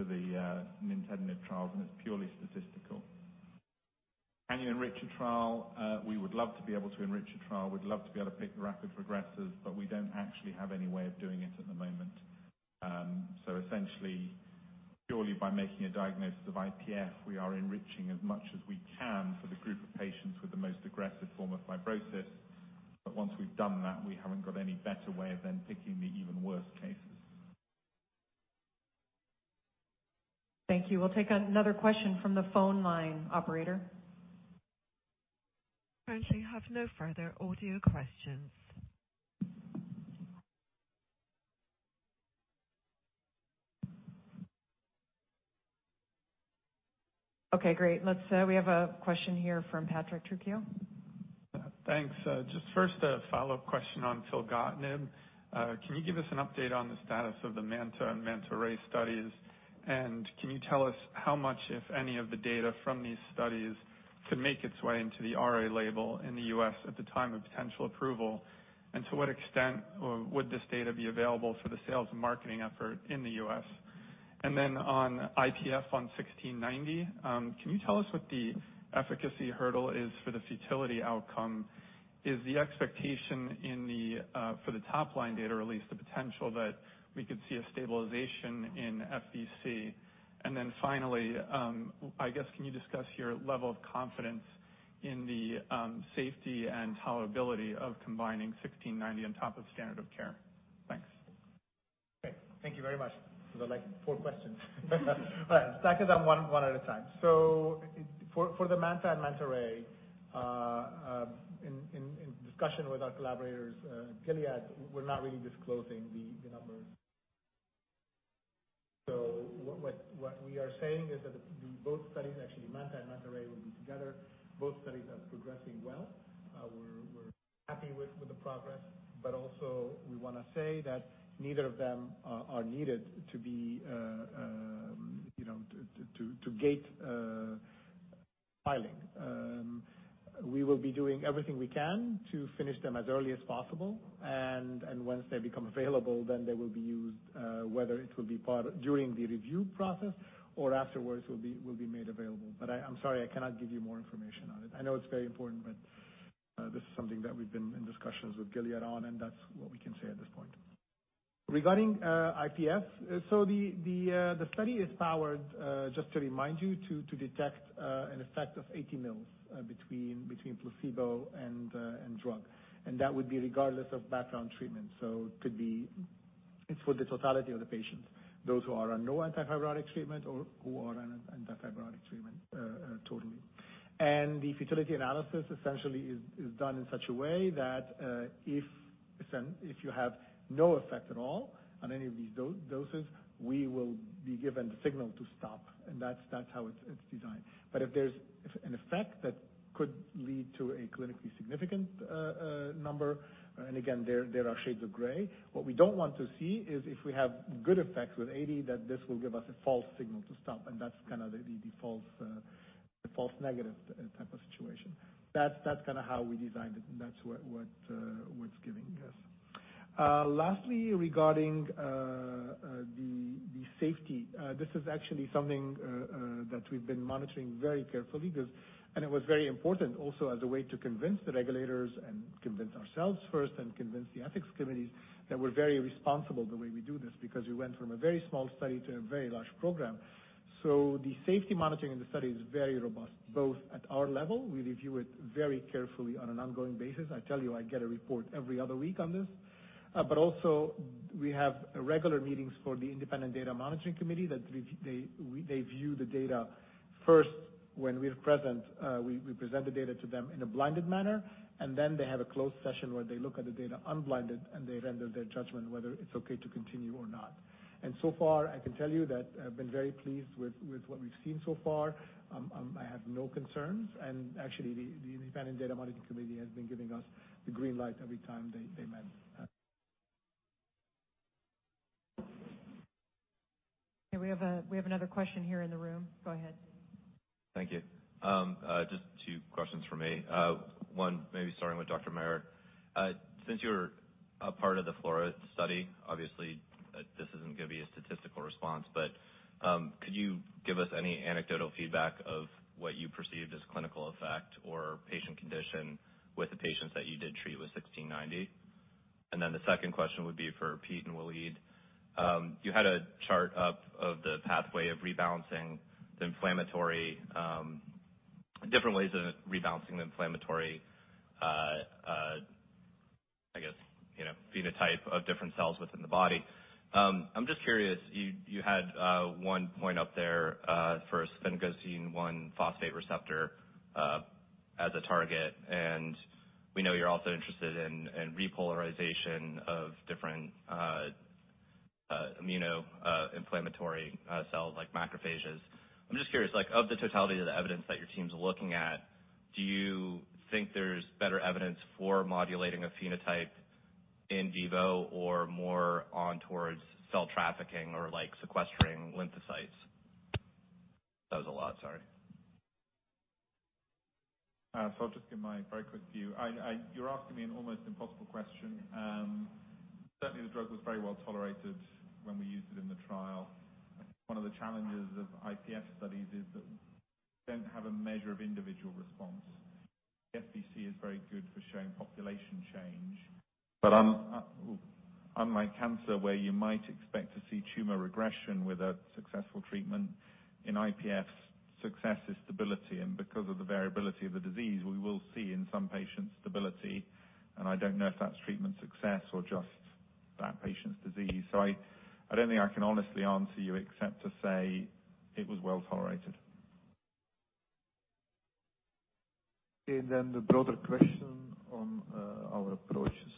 for the nintedanib trials, and it's purely statistical. Can you enrich a trial? We would love to be able to enrich a trial. We'd love to be able to pick the rapid progressers. We don't actually have any way of doing it at the moment. Purely by making a diagnosis of IPF, we are enriching as much as we can for the group of patients with the most aggressive form of fibrosis. Once we've done that, we haven't got any better way of then picking the even worse cases. Thank you. We'll take another question from the phone line, Operator. Currently have no further audio questions. Okay, great. We have a question here from Patrick Trucchio. Thanks. Just first a follow-up question on filgotinib. Can you give us an update on the status of the MANTA and MANTA-RAy studies? Can you tell us how much, if any, of the data from these studies could make its way into the RA label in the U.S. at the time of potential approval? To what extent would this data be available for the sales and marketing effort in the U.S.? On IPF on 1690, can you tell us what the efficacy hurdle is for the futility outcome? Is the expectation for the top-line data, at least the potential that we could see a stabilization in FVC? Finally, can you discuss your level of confidence in the safety and tolerability of combining 1690 on top of standard of care? Thanks. Okay. Thank you very much. Those are like four questions. All right. Tackling them one at a time. For the MANTA and MANTA-RAy, in discussion with our collaborators, Gilead, we're not really disclosing the numbers. What we are saying is that the both studies, actually, MANTA and MANTA-RAy will be together. Both studies are progressing well. Also we want to say that neither of them are needed to gate filing. We will be doing everything we can to finish them as early as possible, once they become available, then they will be used, whether it will be part during the review process or afterwards will be made available. I'm sorry, I cannot give you more information on it. I know it's very important. This is something that we've been in discussions with Gilead on, that's what we can say at this point. Regarding IPF, the study is powered, just to remind you, to detect an effect of 80 ml between placebo and drug. That would be regardless of background treatment. It's for the totality of the patients, those who are on no antifibrotic treatment or who are on an antifibrotic treatment totally. The futility analysis essentially is done in such a way that if you have no effect at all on any of these doses, we will be given the signal to stop. That's how it's designed. If there's an effect that could lead to a clinically significant number, and again, there are shades of gray. What we don't want to see is if we have good effects with 80, that this will give us a false signal to stop, and that's the false negative type of situation. That's how we designed it, and that's what it's giving us. Lastly, regarding the safety. This is actually something that we've been monitoring very carefully, and it was very important also as a way to convince the regulators and convince ourselves first, and convince the ethics committees, that we're very responsible the way we do this, because we went from a very small study to a very large program. The safety monitoring in the study is very robust, both at our level. We review it very carefully on an ongoing basis. I tell you, I get a report every other week on this. Also we have regular meetings for the independent data monitoring committee that they view the data first when we are present. We present the data to them in a blinded manner, and then they have a closed session where they look at the data unblinded, and they render their judgment whether it's okay to continue or not. So far, I can tell you that I've been very pleased with what we've seen so far. I have no concerns. Actually, the independent data monitoring committee has been giving us the green light every time they met. Okay. We have another question here in the room. Go ahead. Thank you. Just two questions from me. One, maybe starting with Dr. Maher. Since you're a part of the FLORA study, obviously, this isn't going to be a statistical response, but could you give us any anecdotal feedback of what you perceived as clinical effect or patient condition with the patients that you did treat with GLPG1690? The second question would be for Piet and Walid. You had a chart up of the pathway of rebalancing the inflammatory, different ways of rebalancing the inflammatory, I guess, phenotype of different cells within the body. I'm just curious, you had one point up there for sphingosine-1-phosphate receptor as a target, and we know you're also interested in repolarization of different immunoinflammatory cells like macrophages. I'm just curious, of the totality of the evidence that your team's looking at, do you think there's better evidence for modulating a phenotype in vivo or more on towards cell trafficking or sequestering lymphocytes? That was a lot, sorry. I'll just give my very quick view. You're asking me an almost impossible question. The drug was very well tolerated when we used it in the trial. I think one of the challenges of IPF studies is that we don't have a measure of individual response. SPC is very good for showing population change. Unlike cancer, where you might expect to see tumor regression with a successful treatment, in IPF, success is stability. Because of the variability of the disease, we will see in some patients stability, and I don't know if that's treatment success or just that patient's disease. I don't think I can honestly answer you except to say it was well-tolerated. The broader question on our approaches.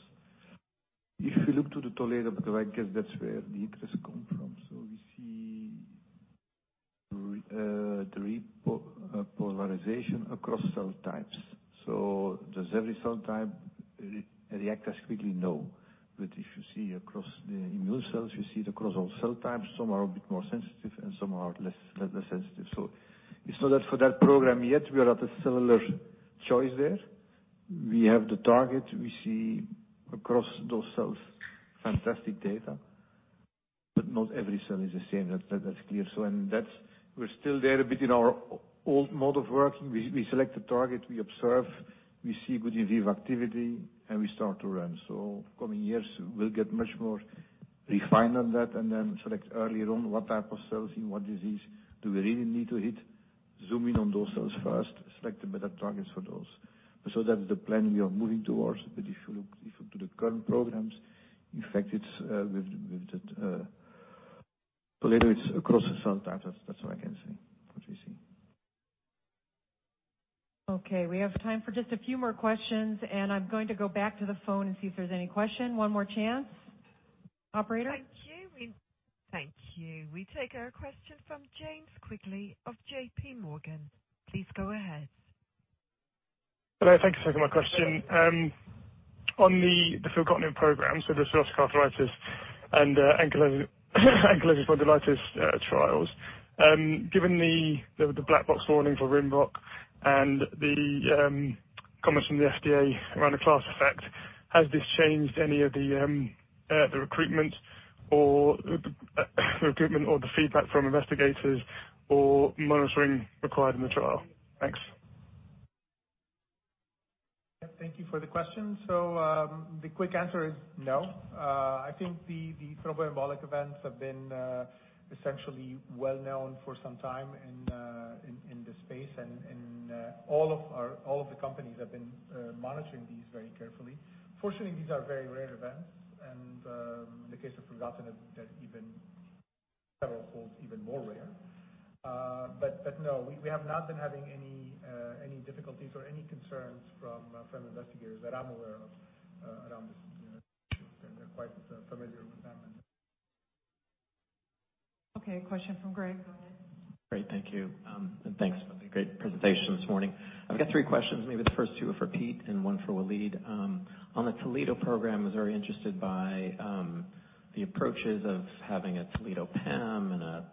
If we look to the Toledo, because I guess that's where the interest come from. We see the repolarization across cell types. Does every cell type react as quickly? No. If you see across the immune cells, you see it across all cell types, some are a bit more sensitive, and some are less sensitive. It's not that for that program yet, we are at a similar choice there. We have the target. We see across those cells, fantastic data, but not every cell is the same. That's clear. We're still there a bit in our old mode of working. We select a target, we observe, we see good in vivo activity, and we start to run. Coming years, we'll get much more refined on that, and then select earlier on what type of cells, in what disease, do we really need to hit, zoom in on those cells first, select the better targets for those. That's the plan we are moving towards. If you look to the current programs, in fact, with Toledo, it's across the cell types. That's what I can say, what we see. Okay, we have time for just a few more questions. I'm going to go back to the phone and see if there's any question. One more chance. Operator? Thank you. We take a question from James Quigley of JPMorgan. Please go ahead. Hello. Thank you for taking my question. On the filgotinib program, the psoriatic arthritis and the ankylosing spondylitis trials. Given the black box warning for Rinvoq and the comments from the FDA around the class effect, has this changed any of the recruitment or the feedback from investigators or monitoring required in the trial? Thanks. Yeah, thank you for the question. The quick answer is no. I think the thromboembolic events have been essentially well-known for some time in this space, and all of the companies have been monitoring these very carefully. Fortunately, these are very rare events, and in the case of filgotinib, they're even several folds even more rare. No, we have not been having any difficulties or any concerns from investigators that I'm aware of around this issue. They're quite familiar with them. Okay. Question from Graig. Go ahead. Great. Thank you. Thanks for the great presentation this morning. I've got three questions. Maybe the first two are for Piet and one for Walid. On the Toledo program, I was very interested by the approaches of having a Toledo pan and a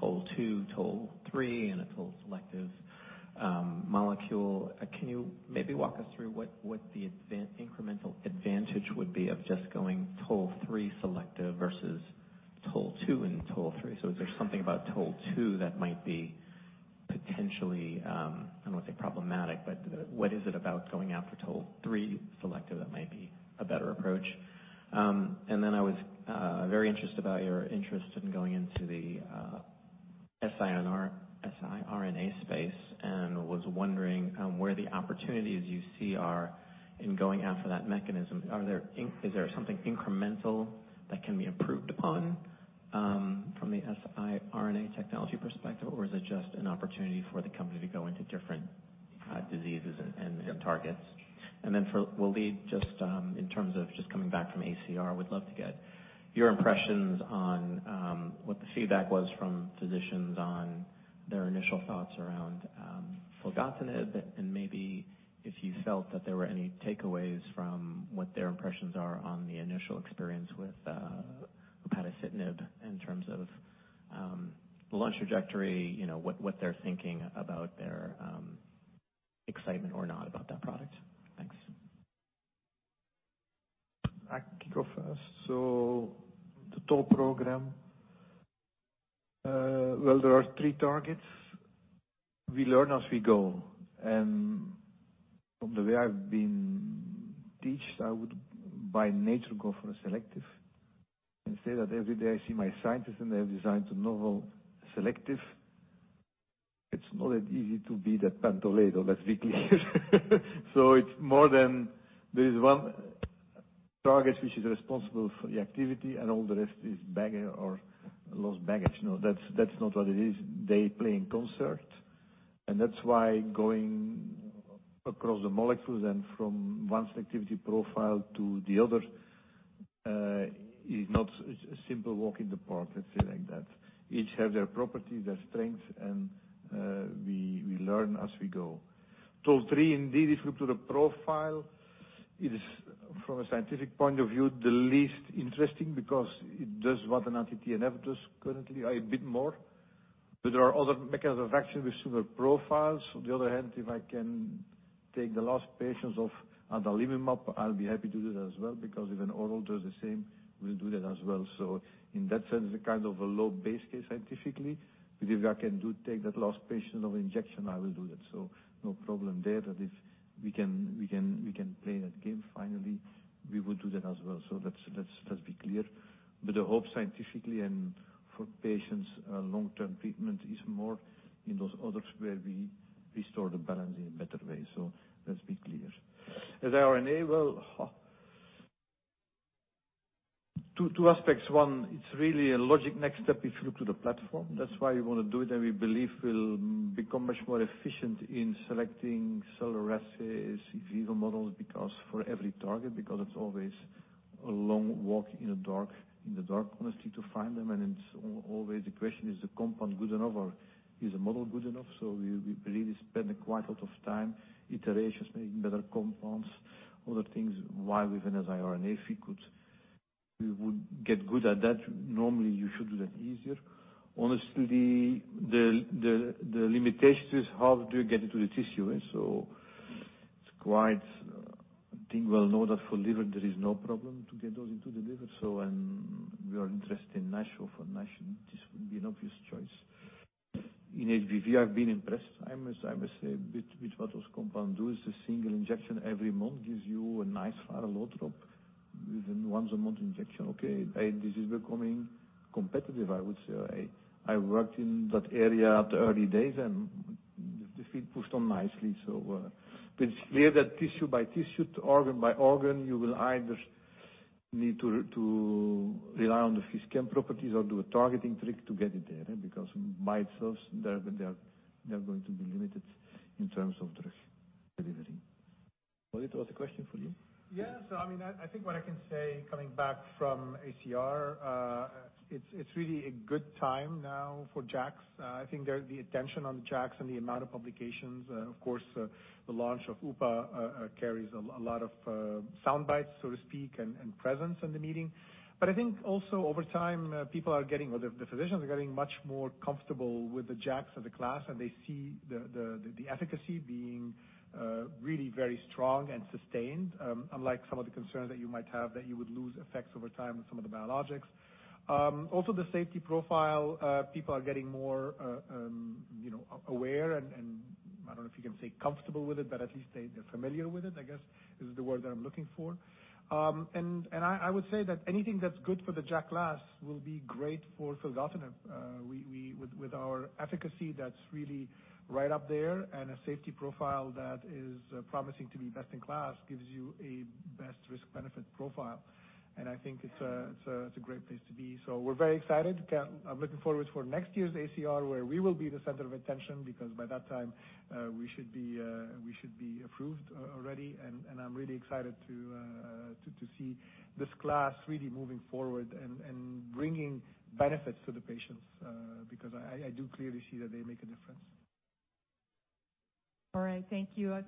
TOL-2, TOL-3, and a TOL-selective molecule. Can you maybe walk us through what the incremental advantage would be of just going TOL-3 selective versus TOL-2 and TOL-3? Is there something about TOL-2 that might be potentially, I don't want to say problematic, but what is it about going after TOL-3 selective that might be a better approach? Then I was very interested about your interest in going into the siRNA space and was wondering where the opportunities you see are in going after that mechanism. Is there something incremental that can be improved upon from the siRNA technology perspective, or is it just an opportunity for the company to go into different diseases and targets? For Walid, just in terms of just coming back from ACR, would love to get your impressions on what the feedback was from physicians on their initial thoughts around filgotinib, and maybe if you felt that there were any takeaways from what their impressions are on the initial experience with upadacitinib in terms of launch trajectory, what they're thinking about their excitement or not about that product. Thanks. I can go first. The TOL program. Well, there are three targets. We learn as we go. From the way I've been taught, I would by nature go for a selective and say that every day I see my scientists and they have designed a novel selective. It's not that easy to beat that pan-Toledo, that's weekly. It's more than there is one target which is responsible for the activity and all the rest is baggage or lost baggage. No, that's not what it is. They play in concert, and that's why going across the molecules and from one selectivity profile to the other, is not a simple walk in the park, let's say it like that. Each have their properties, their strengths, and we learn as we go. TOL-3 indeed, if you look to the profile, it is from a scientific point of view, the least interesting because it does what an anti-TNF does currently, a bit more. There are other mechanisms of action with similar profiles. On the other hand, if I can take the last patients off adalimumab, I'll be happy to do that as well, because if an oral does the same, we'll do that as well. In that sense, it's a kind of a low base case scientifically, because if I can take that last patient of injection, I will do that. No problem there, that if we can play that game finally, we will do that as well. Let's be clear. The hope scientifically and for patients, long-term treatment is more in those others where we restore the balance in a better way. Let's be clear. As siRNA, well, two aspects. One, it's really a logical next step if you look to the platform. That's why we want to do it, and we believe we'll become much more efficient in selecting cellular assays, in vivo models, because for every target, because it's always a long walk in the dark, honestly, to find them. It's always a question, is the compound good enough or is the model good enough? We really spend quite a lot of time, iterations, making better compounds, other things. While with an siRNA, if we would get good at that, normally you should do that easier. Honestly, the limitation is how do you get into the tissue? It's quite, I think well known that for liver, there is no problem to get those into the liver. When we are interested in NASH, for NASH, this would be an obvious choice. In HBV, I've been impressed. I must say, with what those compound do, is a single injection every month gives you a nice <audio distortion> drop drop within once a month injection. This is becoming competitive, I would say. I worked in that area at the early days, and the field pushed on nicely. It's clear that tissue by tissue, to organ by organ, you will either need to rely on the <inaudible> properties or do a targeting trick to get it there, because by itself, they are going to be limited in terms of drug delivery. Well, it was a question for you? Yeah. I think what I can say, coming back from ACR, it's really a good time now for JAKs. I think there, the attention on the JAKs and the amount of publications, of course, the launch of UPA carries a lot of sound bites, so to speak, and presence in the meeting. I think also over time, people are getting, or the physicians are getting much more comfortable with the JAKs as a class, and they see the efficacy being really very strong and sustained, unlike some of the concerns that you might have that you would lose effects over time with some of the biologics. Also the safety profile, people are getting more aware and, I don't know if you can say comfortable with it, but at least they're familiar with it, I guess is the word that I'm looking for. I would say that anything that's good for the JAK class will be great for filgotinib. With our efficacy that's really right up there and a safety profile that is promising to be best in class gives you a best risk-benefit profile, and I think it's a great place to be. We're very excited. I'm looking forward for next year's ACR, where we will be the center of attention, because by that time we should be approved already. I'm really excited to see this class really moving forward and bringing benefits to the patients, because I do clearly see that they make a difference. All right. Thank you. I think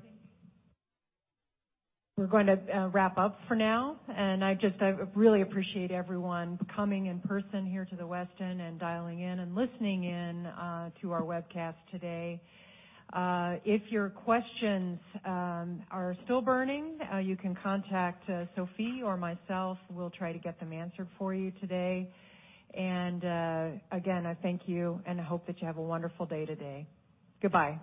we're going to wrap up for now. I just really appreciate everyone coming in person here to the Westin and dialing in and listening in to our webcast today. If your questions are still burning, you can contact Sofie or myself. We'll try to get them answered for you today. Again, I thank you, and I hope that you have a wonderful day today. Goodbye.